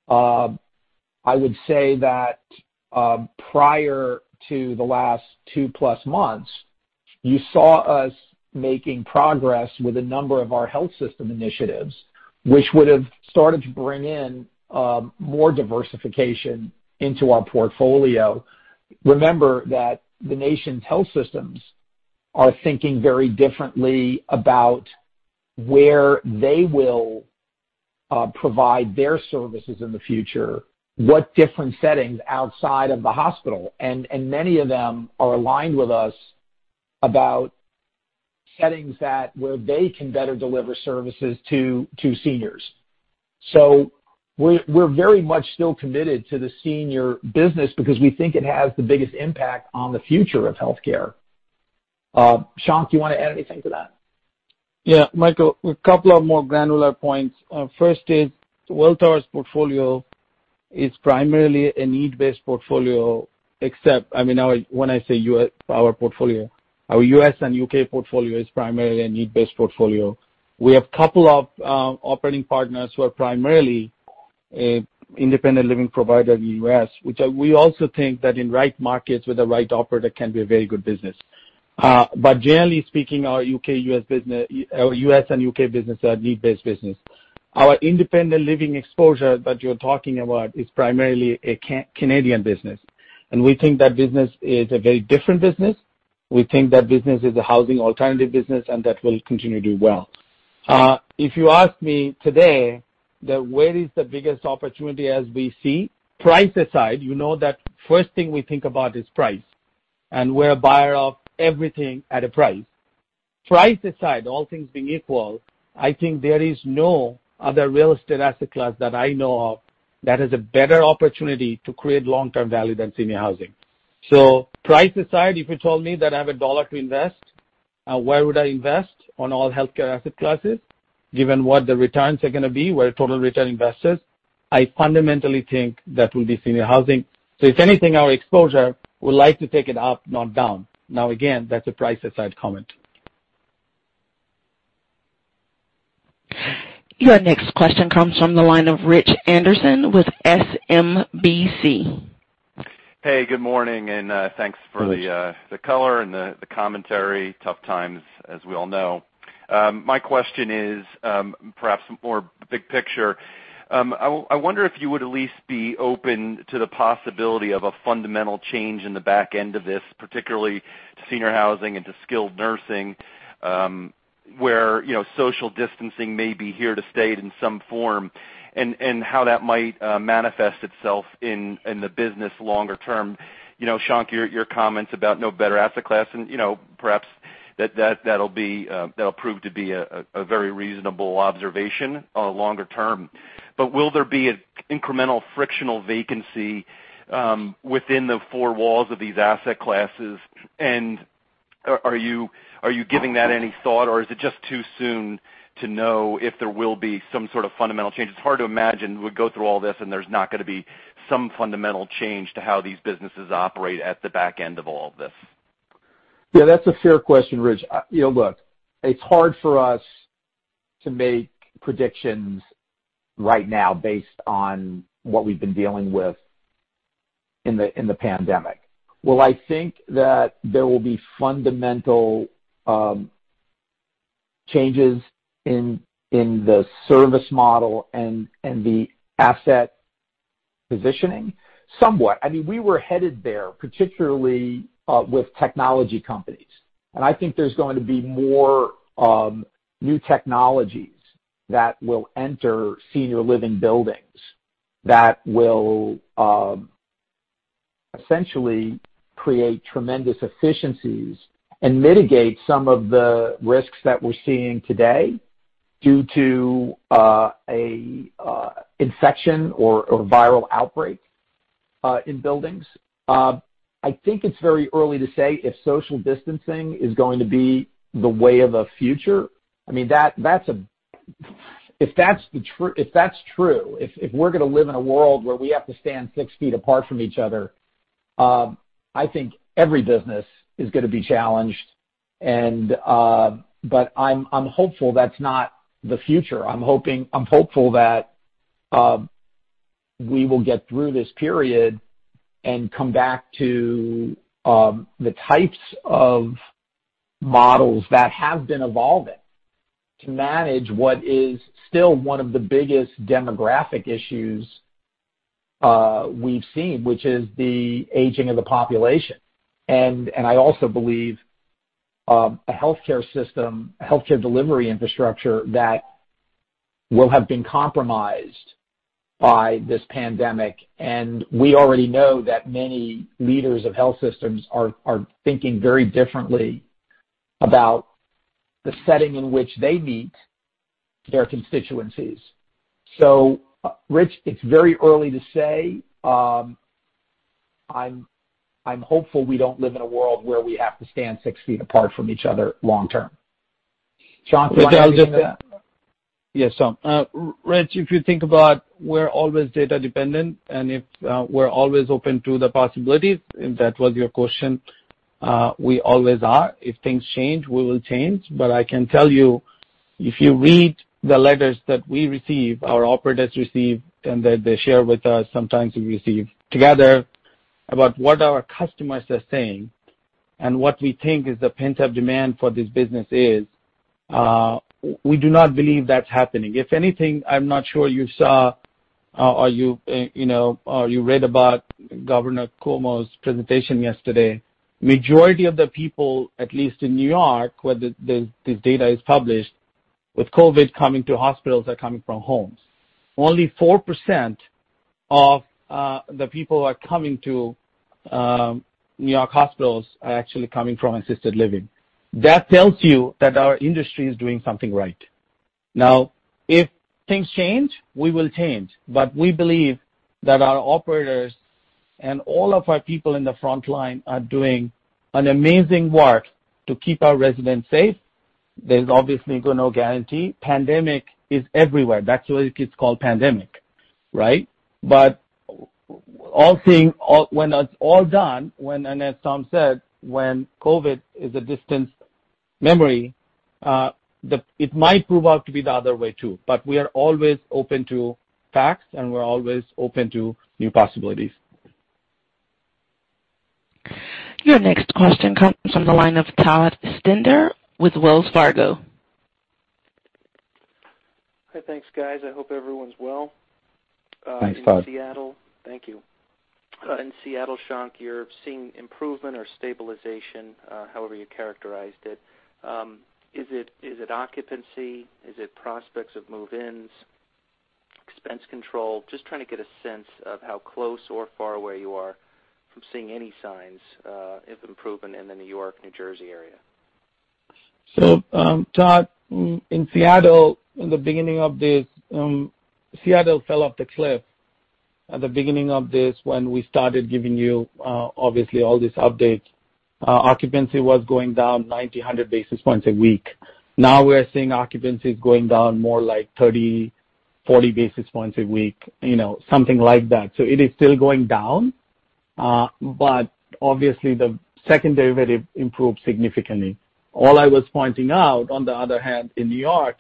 I would say that prior to the last two plus months, you saw us making progress with a number of our health system initiatives, which would have started to bring in more diversification into our portfolio. Remember that the nation's health systems are thinking very differently about where they will provide their services in the future, what different settings outside of the hospital. Many of them are aligned with us about settings where they can better deliver services to seniors. We're very much still committed to the senior business because we think it has the biggest impact on the future of healthcare. Shankh, do you want to add anything to that? Yeah. Michael, a couple of more granular points. First is, Welltower's portfolio is primarily a need-based portfolio. When I say our portfolio, our U.S. and U.K. portfolio is primarily a need-based portfolio. We have primarily an independent living provider in the U.S., which we also think that in right markets with the right operator can be a very good business. Generally speaking, our U.S. and U.K. businesses are need-based business. Our independent living exposure that you're talking about is primarily a Canadian business. We think that business is a very different business. We think that business is a housing alternative business that will continue to do well. If you ask me today that where is the biggest opportunity as we see, price aside, you know that first thing we think about is price, and we're a buyer of everything at a price. Price aside, all things being equal, I think there is no other real estate asset class that I know of that has a better opportunity to create long-term value than senior housing. Price aside, if you told me that I have a $1 to invest, where would I invest on all healthcare asset classes, given what the returns are going to be, we're total return investors, I fundamentally think that will be senior housing. If anything, our exposure would like to take it up, not down. Now again, that's a price aside comment. Your next question comes from the line of Rich Anderson with SMBC. Good morning, thanks for the color and the commentary. Tough times as we all know. My question is, perhaps more big picture. I wonder if you would at least be open to the possibility of a fundamental change in the back end of this, particularly to senior housing and to skilled nursing, where social distancing may be here to stay in some form, and how that might manifest itself in the business longer term. Shankh, your comments about no better asset class and perhaps that'll prove to be a very reasonable observation longer term. Will there be incremental frictional vacancy within the four walls of these asset classes, and are you giving that any thought, or is it just too soon to know if there will be some sort of fundamental change? It's hard to imagine we go through all this and there's not going to be some fundamental change to how these businesses operate at the back end of all of this. Yeah, that's a fair question, Rich. Look, it's hard for us to make predictions right now based on what we've been dealing with in the pandemic. Will I think that there will be fundamental changes in the service model and the asset positioning? Somewhat. I mean, we were headed there, particularly with technology companies. I think there's going to be more new technologies that will enter senior living buildings that will essentially create tremendous efficiencies and mitigate some of the risks that we're seeing today due to infection or viral outbreak in buildings. I think it's very early to say if social distancing is going to be the way of the future. If that's true, if we're going to live in a world where we have to stand six feet apart from each other, I think every business is going to be challenged. I'm hopeful that's not the future. I'm hopeful that we will get through this period and come back to the types of models that have been evolving to manage what is still one of the biggest demographic issues we've seen, which is the aging of the population. I also believe a healthcare system, healthcare delivery infrastructure that will have been compromised by this pandemic, and we already know that many leaders of health systems are thinking very differently about the setting in which they meet their constituencies. Rich, it's very early to say. I'm hopeful we don't live in a world where we have to stand six feet apart from each other long term. Shankh, do you want to add to that? Yes. Rich, if you think about we're always data dependent, and if we're always open to the possibilities, if that was your question, we always are. If things change, we will change. I can tell you, if you read the letters that we receive, our operators receive, and they share with us, sometimes we receive together, about what our customers are saying and what we think is the pent-up demand for this business is, we do not believe that's happening. If anything, I'm not sure you saw or you read about Governor Cuomo's presentation yesterday. Majority of the people, at least in New York, where this data is published, with COVID coming to hospitals are coming from homes. Only 4% of the people who are coming to New York hospitals are actually coming from assisted living. That tells you that our industry is doing something right. If things change, we will change. We believe that our operators and all of our people in the front line are doing an amazing work to keep our residents safe. There's obviously no guarantee. Pandemic is everywhere. That's why it's called pandemic, right? When it's all done, and as Tom said, when COVID is a distant memory, it might prove out to be the other way too. We are always open to facts, and we're always open to new possibilities. Your next question comes from the line of Todd Stender with Wells Fargo. Hi. Thanks, guys. I hope everyone's well. Thanks, Todd. In Seattle. Thank you. In Seattle, Shankh, you're seeing improvement or stabilization, however you characterized it. Is it occupancy? Is it prospects of move-ins, expense control? Just trying to get a sense of how close or far away you are from seeing any signs of improvement in the New York-New Jersey area. Todd, in Seattle, in the beginning of this, Seattle fell off the cliff. At the beginning of this, when we started giving you obviously all these updates, occupancy was going down 90 basis points, 100 basis points a week. Now we're seeing occupancies going down more like 30 basis points, 40 basis points a week, something like that. It is still going down. Obviously the second derivative improved significantly. All I was pointing out, on the other hand, in New York,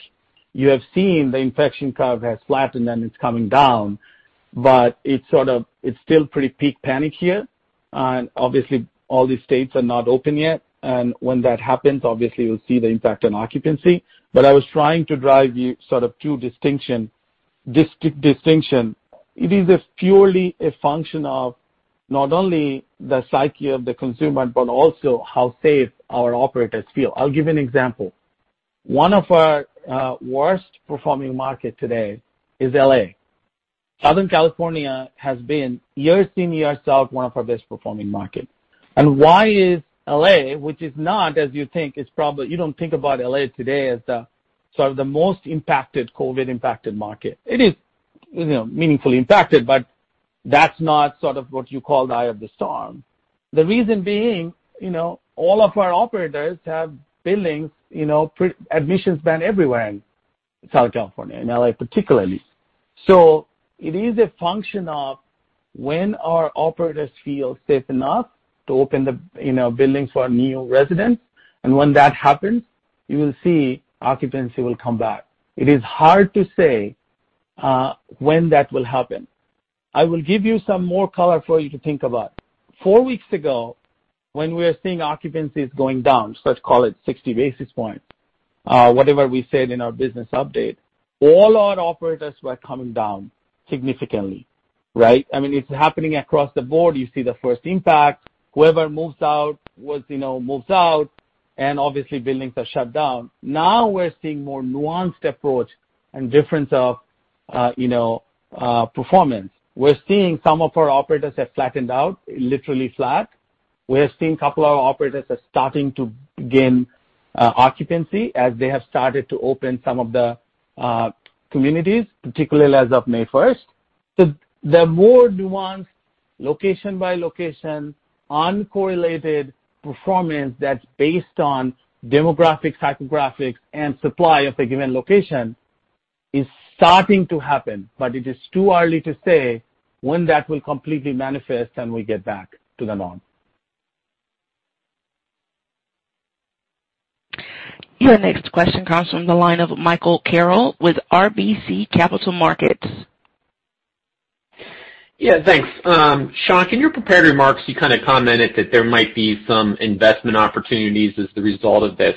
you have seen the infection curve has flattened and it's coming down, but it's still pretty peak panic here. Obviously all the states are not open yet. When that happens, obviously you'll see the impact on occupancy. I was trying to drive you two distinctions. It is a purely a function of not only the psyche of the consumer, but also how safe our operators feel. I'll give you an example. One of our worst performing market today is L.A. Southern California has been year in, year out, one of our best performing market. Why is L.A., which is not as you think, you don't think about L.A. today as the most COVID impacted market. It is meaningfully impacted, that's not what you call the eye of the storm. The reason being, all of our operators have buildings, admissions ban everywhere in Southern California and L.A. particularly. It is a function of when our operators feel safe enough to open the buildings for new residents. When that happens, you will see occupancy will come back. It is hard to say when that will happen. I will give you some more color for you to think about. Four weeks ago, when we were seeing occupancies going down, let's call it 60 basis points, whatever we said in our business update, all our operators were coming down significantly. Right. It's happening across the board. You see the first impact. Whoever moves out, moves out, and obviously buildings are shut down. Now we're seeing more nuanced approach and difference of performance. We're seeing some of our operators have flattened out, literally flat. We are seeing couple of our operators are starting to gain occupancy as they have started to open some of the communities, particularly as of May 1st. The more nuanced location by location, uncorrelated performance that's based on demographics, psychographics, and supply of a given location is starting to happen. It is too early to say when that will completely manifest and we get back to the norm. Your next question comes from the line of Michael Carroll with RBC Capital Markets. Yeah. Thanks. Shankh, in your prepared remarks, you commented that there might be some investment opportunities as the result of this.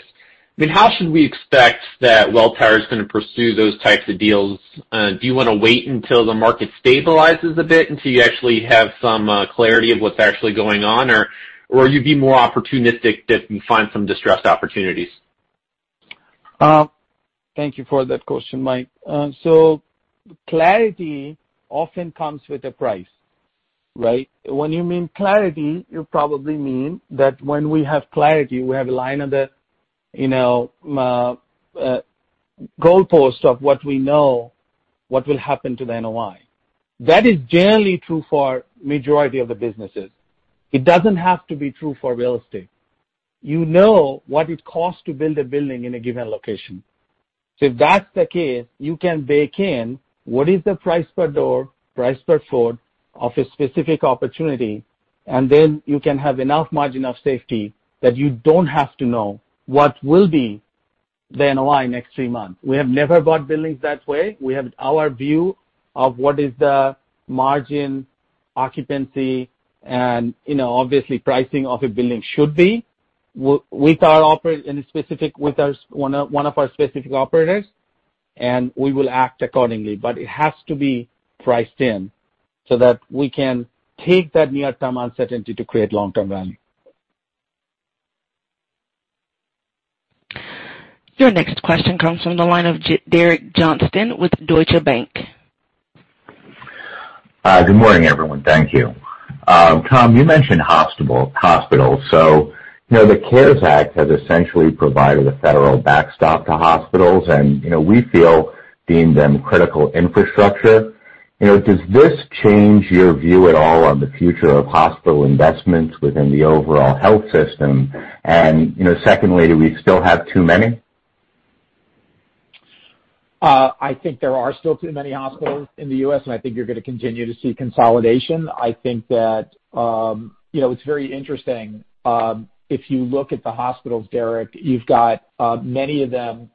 How should we expect that Welltower is going to pursue those types of deals? Do you want to wait until the market stabilizes a bit, until you actually have some clarity of what's actually going on, or you'd be more opportunistic if you find some distressed opportunities? Thank you for that question, Mike. Clarity often comes with a price, right? When you mean clarity, you probably mean that when we have clarity, we have a line on the goal post of what we know will happen to the NOI. That is generally true for majority of the businesses. It doesn't have to be true for real estate. You know what it costs to build a building in a given location. If that's the case, you can bake in what is the price per door, price per foot of a specific opportunity, and then you can have enough margin of safety that you don't have to know what will be the NOI next three months. We have never bought buildings that way. We have our view of what is the margin occupancy and obviously pricing of a building should be with one of our specific operators, and we will act accordingly. It has to be priced in so that we can take that near-term uncertainty to create long-term value. Your next question comes from the line of Derek Johnston with Deutsche Bank. Good morning, everyone. Thank you. Tom, you mentioned hospitals. The CARES Act has essentially provided a federal backstop to hospitals, and we feel, deemed them critical infrastructure. Does this change your view at all on the future of hospital investments within the overall health system? Secondly, do we still have too many? I think there are still too many hospitals in the U.S., and I think you're going to continue to see consolidation. I think that it's very interesting. If you look at the hospitals, Derek, you've got many of them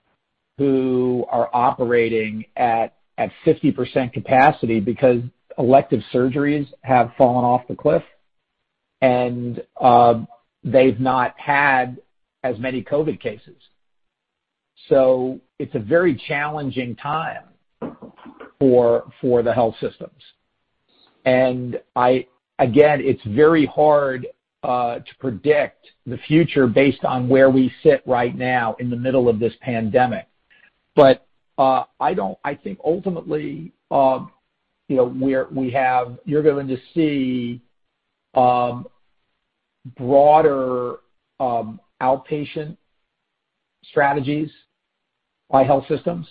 who are operating at 50% capacity because elective surgeries have fallen off the cliff, and they've not had as many COVID cases. It's a very challenging time for the health systems. Again, it's very hard to predict the future based on where we sit right now in the middle of this pandemic. I think ultimately, you're going to see broader outpatient strategies by health systems,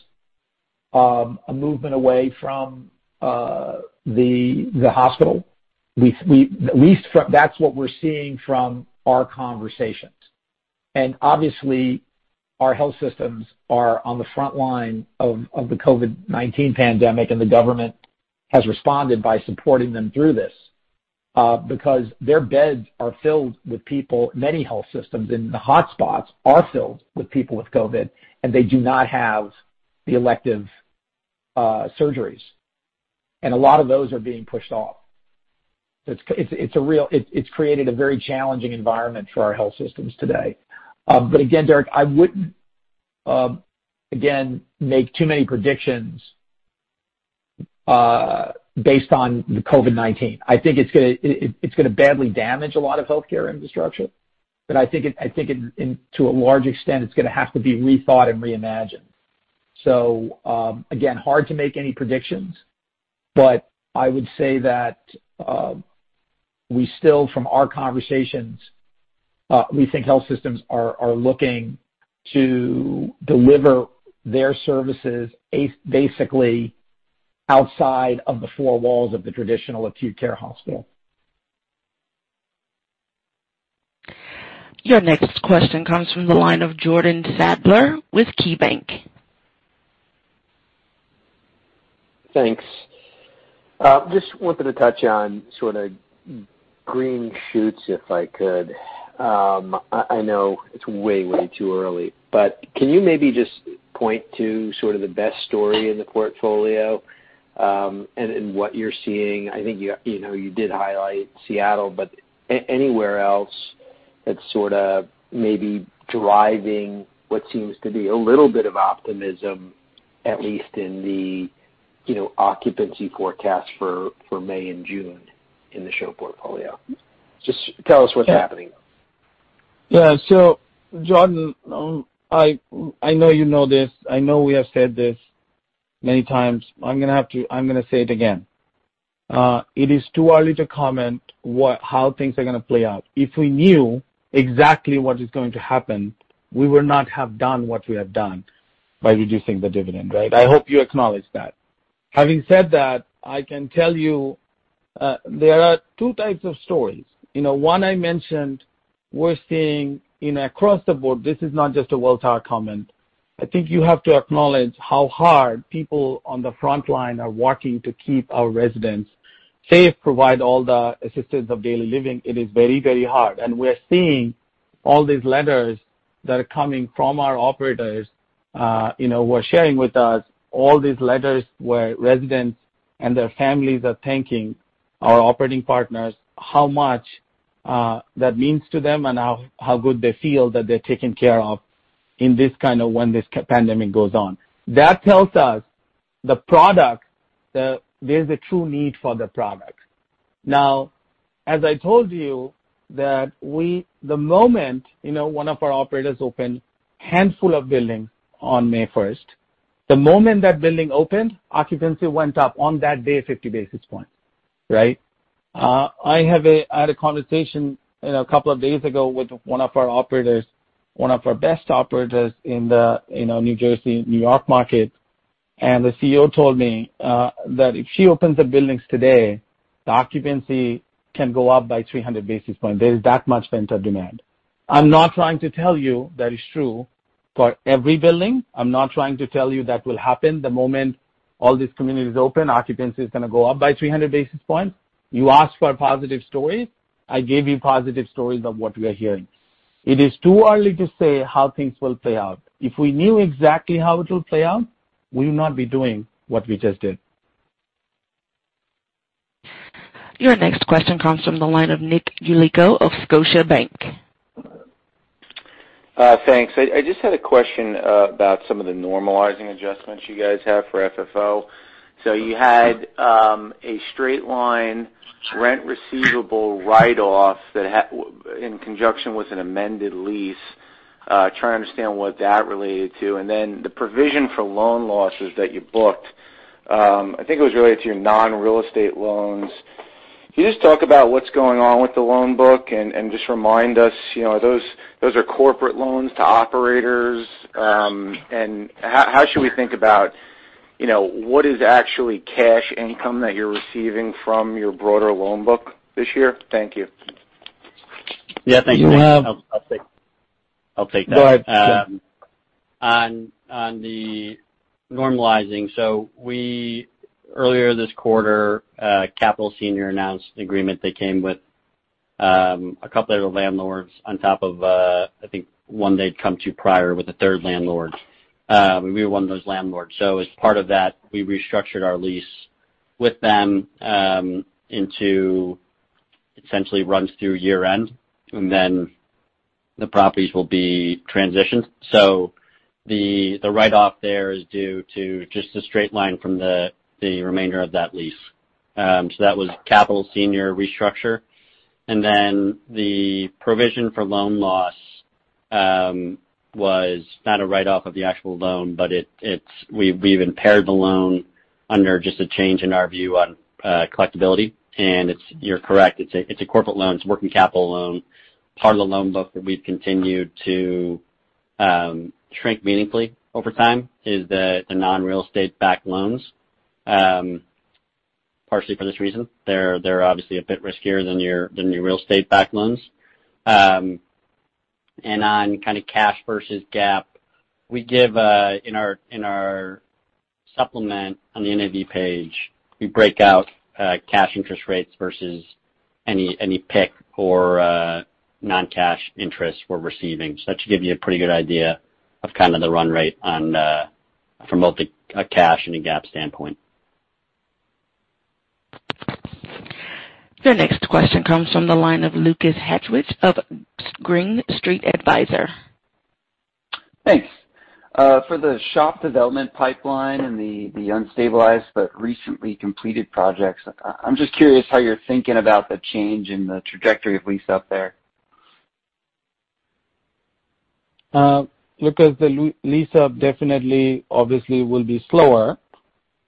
a movement away from the hospital. At least that's what we're seeing from our conversations. Obviously our health systems are on the front line of the COVID-19 pandemic, the government has responded by supporting them through this because their beds are filled with people. Many health systems in the hotspots are filled with people with COVID, they do not have the elective surgeries, a lot of those are being pushed off. It's created a very challenging environment for our health systems today. Again, Derek, I wouldn't make too many predictions based on the COVID-19. I think it's going to badly damage a lot of healthcare infrastructure, I think to a large extent, it's going to have to be rethought and reimagined. Again, hard to make any predictions, but I would say that we still, from our conversations, we think health systems are looking to deliver their services basically outside of the four walls of the traditional acute care hospital. Your next question comes from the line of Jordan Sadler with KeyBanc. Thanks. Just wanted to touch on sort of green shoots, if I could. I know it's way too early, can you maybe just point to sort of the best story in the portfolio, and what you're seeing? I think you did highlight Seattle, anywhere else that's sort of maybe driving what seems to be a little bit of optimism, at least in the occupancy forecast for May and June in the SHOP portfolio. Just tell us what's happening. Yeah. Jordan, I know you know this. I know we have said this many times. I'm going to say it again. It is too early to comment how things are going to play out. If we knew exactly what is going to happen, we would not have done what we have done by reducing the dividend, right? I hope you acknowledge that. Having said that, I can tell you there are two types of stories. One I mentioned, we're seeing across the board, this is not just a Welltower comment. I think you have to acknowledge how hard people on the front line are working to keep our residents safe, provide all the assistance of daily living. It is very hard. We're seeing all these letters that are coming from our operators, who are sharing with us all these letters where residents and their families are thanking our operating partners, how much that means to them, and how good they feel that they're taken care of when this pandemic goes on. That tells us there's a true need for the product. As I told you, the moment one of our operators opened a handful of buildings on May 1st, the moment that building opened, occupancy went up on that day 50 basis points. Right? I had a conversation a couple of days ago with one of our best operators in the N.J., N.Y. market, and the CEO told me that if she opens the buildings today, the occupancy can go up by 300 basis points. There is that much pent-up demand. I'm not trying to tell you that is true for every building. I'm not trying to tell you that will happen the moment all these communities open, occupancy is going to go up by 300 basis points. You asked for a positive story. I gave you positive stories of what we are hearing. It is too early to say how things will play out. If we knew exactly how it will play out, we would not be doing what we just did. Your next question comes from the line of Nick Yulico of Scotiabank. Thanks. I just had a question about some of the normalizing adjustments you guys have for FFO. You had a straight-line rent receivable write-off in conjunction with an amended lease. Trying to understand what that related to, the provision for loan losses that you booked. I think it was related to your non-real estate loans. Can you just talk about what's going on with the loan book and just remind us, those are corporate loans to operators. How should we think about what is actually cash income that you're receiving from your broader loan book this year? Thank you. Yeah, thanks. I'll take that. Go ahead. On the normalizing. Earlier this quarter, Capital Senior announced an agreement. They came with a couple other landlords on top of, I think, one they'd come to prior with a third landlord. We were one of those landlords. As part of that, we restructured our lease with them into essentially runs through year-end, and then the properties will be transitioned. The write-off there is due to just a straight line from the remainder of that lease. That was Capital Senior restructure. The provision for loan loss was not a write-off of the actual loan, but we've impaired the loan under just a change in our view on collectability. You're correct, it's a corporate loan. It's a working capital loan. Part of the loan book that we've continued to shrink meaningfully over time is the non-real estate backed loans. Partially for this reason, they're obviously a bit riskier than your real estate backed loans. On cash versus GAAP, we give in our supplement on the entity page, we break out cash interest rates versus any payment-in-kind or non-cash interest we're receiving. That should give you a pretty good idea of the run rate from both a cash and a GAAP standpoint. Your next question comes from the line of Lukas Hartwich of Green Street Advisors. Thanks. For the SHOP development pipeline and the unstabilized but recently completed projects, I'm just curious how you're thinking about the change in the trajectory of lease up there? Lukas, the lease-up definitely obviously will be slower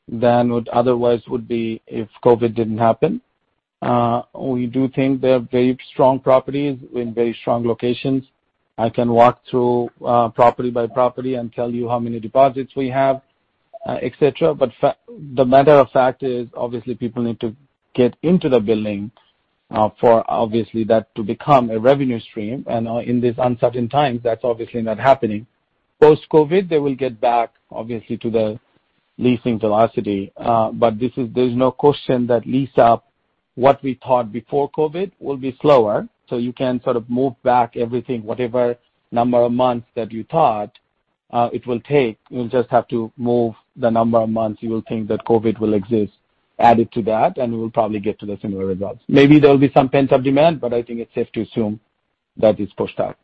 than what otherwise would be if COVID didn't happen. We do think they're very strong properties in very strong locations. I can walk through property by property and tell you how many deposits we have, et cetera. The matter of fact is, obviously, people need to get into the building for obviously that to become a revenue stream. In these uncertain times, that's obviously not happening. Post-COVID, they will get back, obviously to the leasing velocity. There's no question that lease-up, what we thought before COVID, will be slower. You can sort of move back everything, whatever number of months that you thought it will take. You'll just have to move the number of months you will think that COVID will exist added to that, and we will probably get to the similar results. Maybe there'll be some pent-up demand, but I think it's safe to assume that it's pushed out.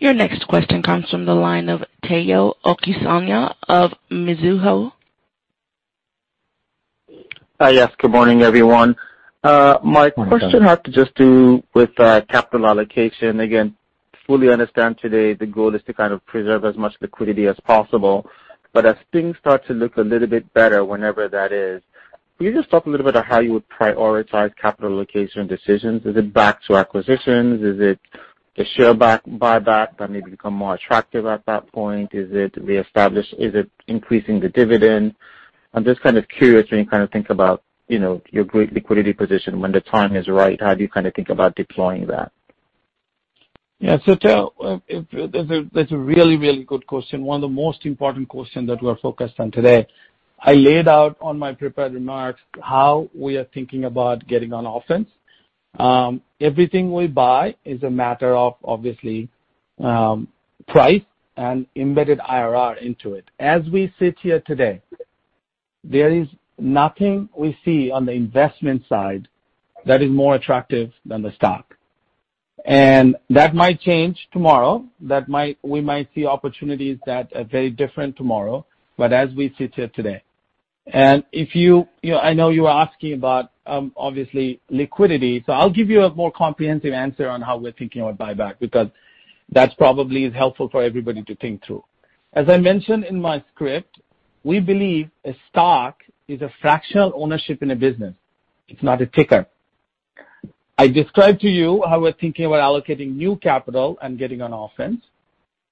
Your next question comes from the line of Tayo Okusanya of Mizuho. Yes. Good morning, everyone. Morning. My question has to just do with capital allocation. Again, fully understand today the goal is to kind of preserve as much liquidity as possible. But as things start to look a little bit better, whenever that is, can you just talk a little bit of how you would prioritize capital allocation decisions? Is it back to acquisitions? Is it the share buyback that maybe become more attractive at that point? Is it increasing the dividend? I'm just kind of curious when you kind of think about your great liquidity position when the time is right, how do you kind of think about deploying that? Yeah. Tayo, that's a really, really good question. One of the most important questions that we're focused on today. I laid out on my prepared remarks how we are thinking about getting on offense. Everything we buy is a matter of obviously, price and embedded internal rate of return into it. As we sit here today, there is nothing we see on the investment side that is more attractive than the stock. That might change tomorrow. We might see opportunities that are very different tomorrow, but as we sit here today. I know you are asking about, obviously, liquidity. I'll give you a more comprehensive answer on how we're thinking about buyback, because that's probably is helpful for everybody to think through. As I mentioned in my script, we believe a stock is a fractional ownership in a business. It's not a ticker. I described to you how we're thinking about allocating new capital and getting on offense.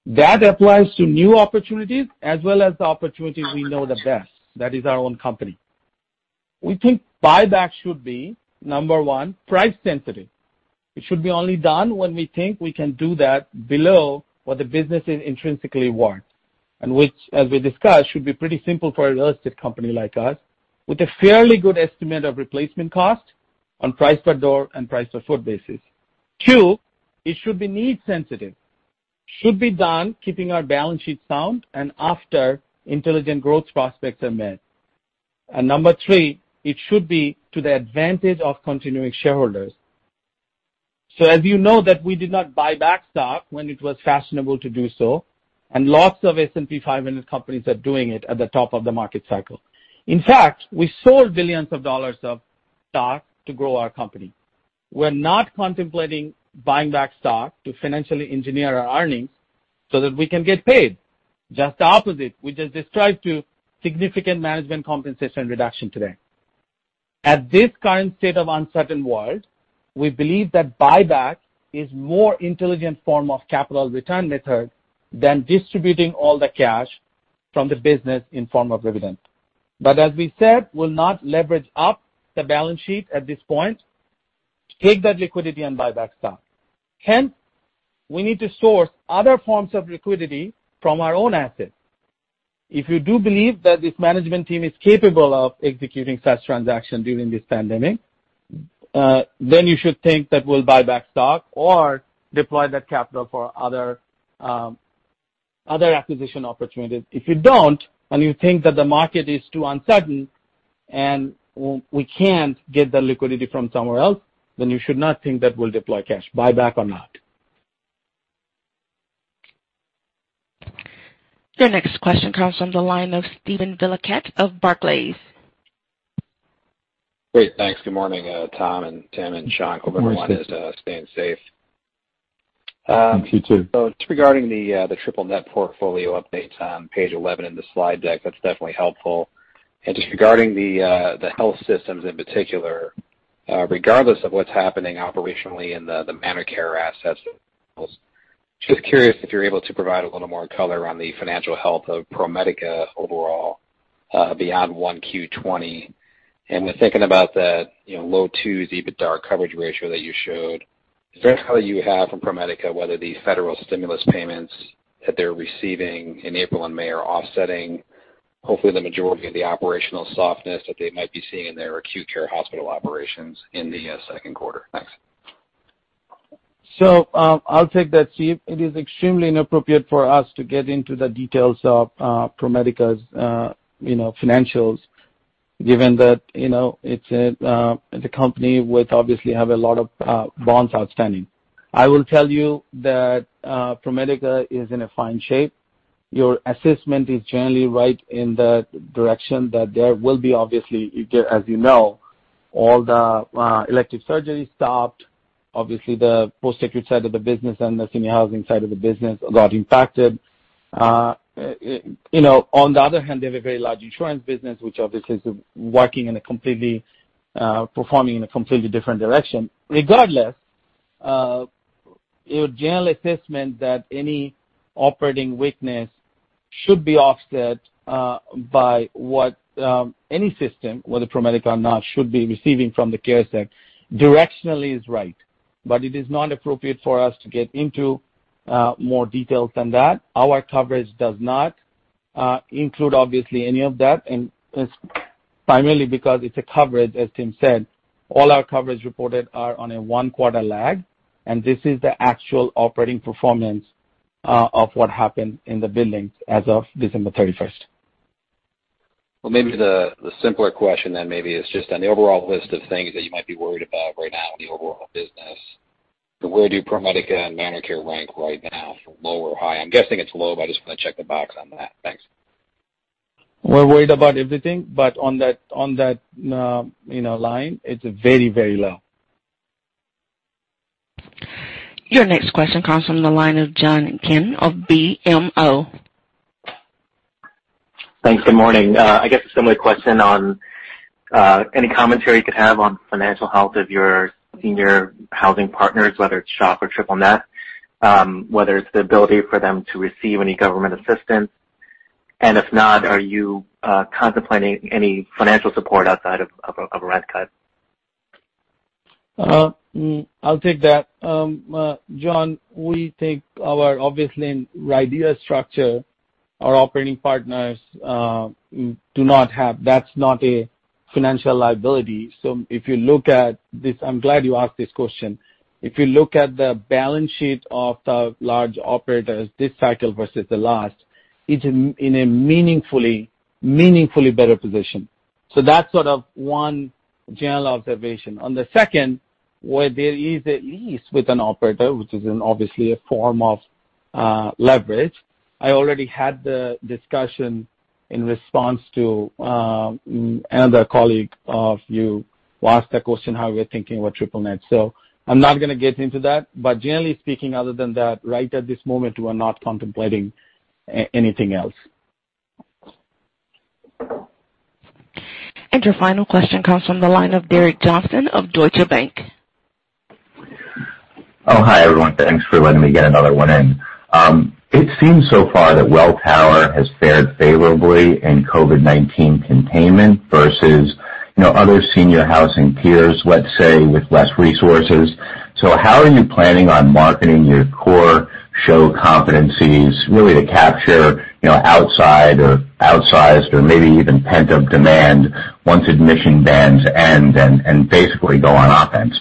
That applies to new opportunities as well as the opportunities we know the best. That is our own company. We think buyback should be, number one, price sensitive. It should be only done when we think we can do that below what the business is intrinsically worth, and which, as we discussed, should be pretty simple for a real estate company like us with a fairly good estimate of replacement cost on price per door and price per foot basis. Two, it should be need sensitive. Should be done keeping our balance sheet sound and after intelligent growth prospects are met. Number three, it should be to the advantage of continuing shareholders. As you know that we did not buy back stock when it was fashionable to do so, and lots of S&P 500 companies are doing it at the top of the market cycle. In fact, we sold billions of dollars of stock to grow our company. We're not contemplating buying back stock to financially engineer our earnings so that we can get paid. Just the opposite. We just described two significant management compensation reduction today. At this current state of uncertain world, we believe that buyback is more intelligent form of capital return method than distributing all the cash from the business in form of dividend. As we said, we'll not leverage up the balance sheet at this point, take that liquidity and buy back stock. Hence, we need to source other forms of liquidity from our own assets. If you do believe that this management team is capable of executing such transaction during this pandemic, then you should think that we'll buy back stock or deploy that capital for other acquisition opportunities. If you don't, and you think that the market is too uncertain and we can't get the liquidity from somewhere else, then you should not think that we'll deploy cash, buyback or not. Your next question comes from the line of Steven Valiquette of Barclays. Great. Thanks. Good morning, Tom and Tim and Shankh. Good morning. Hope everyone is staying safe. Thank you, too. Just regarding the triple net portfolio update, Tom, page 11 in the slide deck, that's definitely helpful. Just regarding the health systems in particular, regardless of what's happening operationally in the ManorCare assets, just curious if you're able to provide a little more color on the financial health of ProMedica overall, beyond 1Q 2020. When thinking about that low twos EBITDA coverage ratio that you showed, is there any color you have from ProMedica whether the federal stimulus payments that they're receiving in April and May are offsetting hopefully the majority of the operational softness that they might be seeing in their acute care hospital operations in the second quarter? Thanks. I'll take that, Steve. It is extremely inappropriate for us to get into the details of ProMedica's financials given that it's a company which obviously have a lot of bonds outstanding. I will tell you that ProMedica is in a fine shape. Your assessment is generally right in the direction that there will be, obviously, as you know, all the elective surgeries stopped, obviously the post-acute side of the business and the senior housing side of the business got impacted. On the other hand, they have a very large insurance business, which obviously is working and performing in a completely different direction. Regardless, your general assessment that any operating weakness should be offset by what any system, whether ProMedica or not, should be receiving from the CARES Act directionally is right, but it is not appropriate for us to get into more details than that. Our coverage does not include obviously any of that, and it's primarily because it's a coverage, as Tim said. All our coverage reported are on a one-quarter lag, and this is the actual operating performance of what happened in the buildings as of December 31st. Well, maybe the simpler question then maybe is just on the overall list of things that you might be worried about right now in the overall business, where do ProMedica and ManorCare rank right now, from low or high? I'm guessing it's low, but I just want to check the box on that. Thanks. We're worried about everything, but on that line, it's very, very low. Your next question comes from the line of John Kim of BMO Capital Markets. Thanks. Good morning. I guess a similar question on any commentary you could have on financial health of your senior housing partners, whether it's SHOP or triple net, whether it's the ability for them to receive any government assistance. If not, are you contemplating any financial support outside of a rent cut? I'll take that. John, we take our obviously in RIDEA structure. That's not a financial liability. I'm glad you asked this question. If you look at the balance sheet of the large operators this cycle versus the last, it's in a meaningfully better position. That's sort of one general observation. On the second, where there is a lease with an operator, which is obviously a form of leverage, I already had the discussion in response to another colleague of you who asked the question how we're thinking about triple net. I'm not going to get into that, but generally speaking, other than that, right at this moment, we're not contemplating anything else. Your final question comes from the line of Derek Johnston of Deutsche Bank. Oh, hi, everyone. Thanks for letting me get another one in. It seems so far that Welltower has fared favorably in COVID-19 containment versus other senior housing peers, let's say, with less resources. How are you planning on marketing your core SHOP competencies really to capture outside or outsized or maybe even pent-up demand once admission bans end and basically go on offense?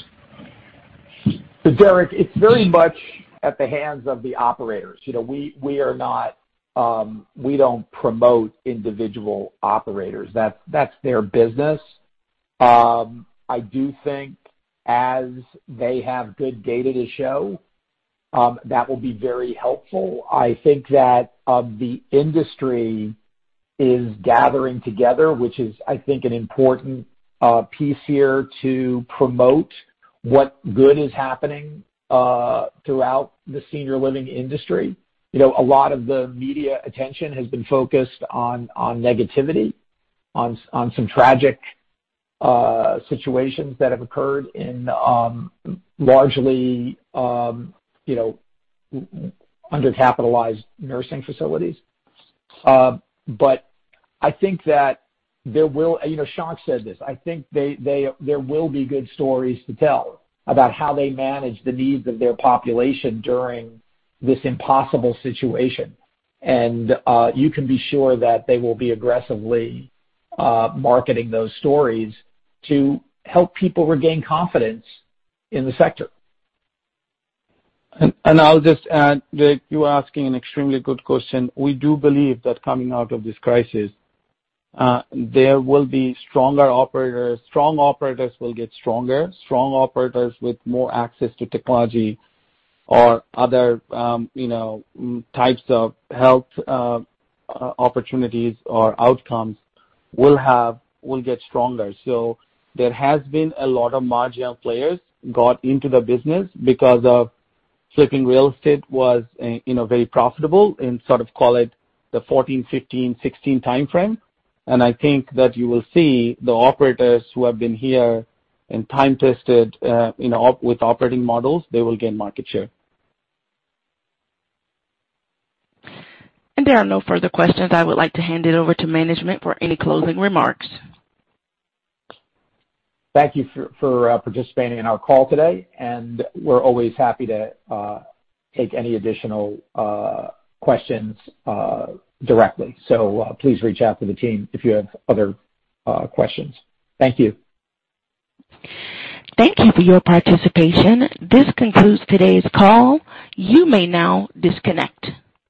Derek, it's very much at the hands of the operators. We don't promote individual operators. That's their business. I do think as they have good data to show, that will be very helpful. I think that the industry is gathering together, which is, I think, an important piece here to promote what good is happening throughout the senior living industry. A lot of the media attention has been focused on negativity, on some tragic situations that have occurred in largely undercapitalized nursing facilities. I think that there will, Shankh said this. I think there will be good stories to tell about how they managed the needs of their population during this impossible situation. You can be sure that they will be aggressively marketing those stories to help people regain confidence in the sector. I'll just add, Derek, you are asking an extremely good question. We do believe that coming out of this crisis, there will be stronger operators. Strong operators will get stronger. Strong operators with more access to technology or other types of health opportunities or outcomes will get stronger. There has been a lot of marginal players got into the business because of flipping real estate was very profitable in sort of call it the 2014, 2015, 2016 timeframe. I think that you will see the operators who have been here and time-tested with operating models, they will gain market share. There are no further questions. I would like to hand it over to management for any closing remarks. Thank you for participating in our call today, and we're always happy to take any additional questions directly. Please reach out to the team if you have other questions. Thank you. Thank you for your participation. This concludes today's call. You may now disconnect.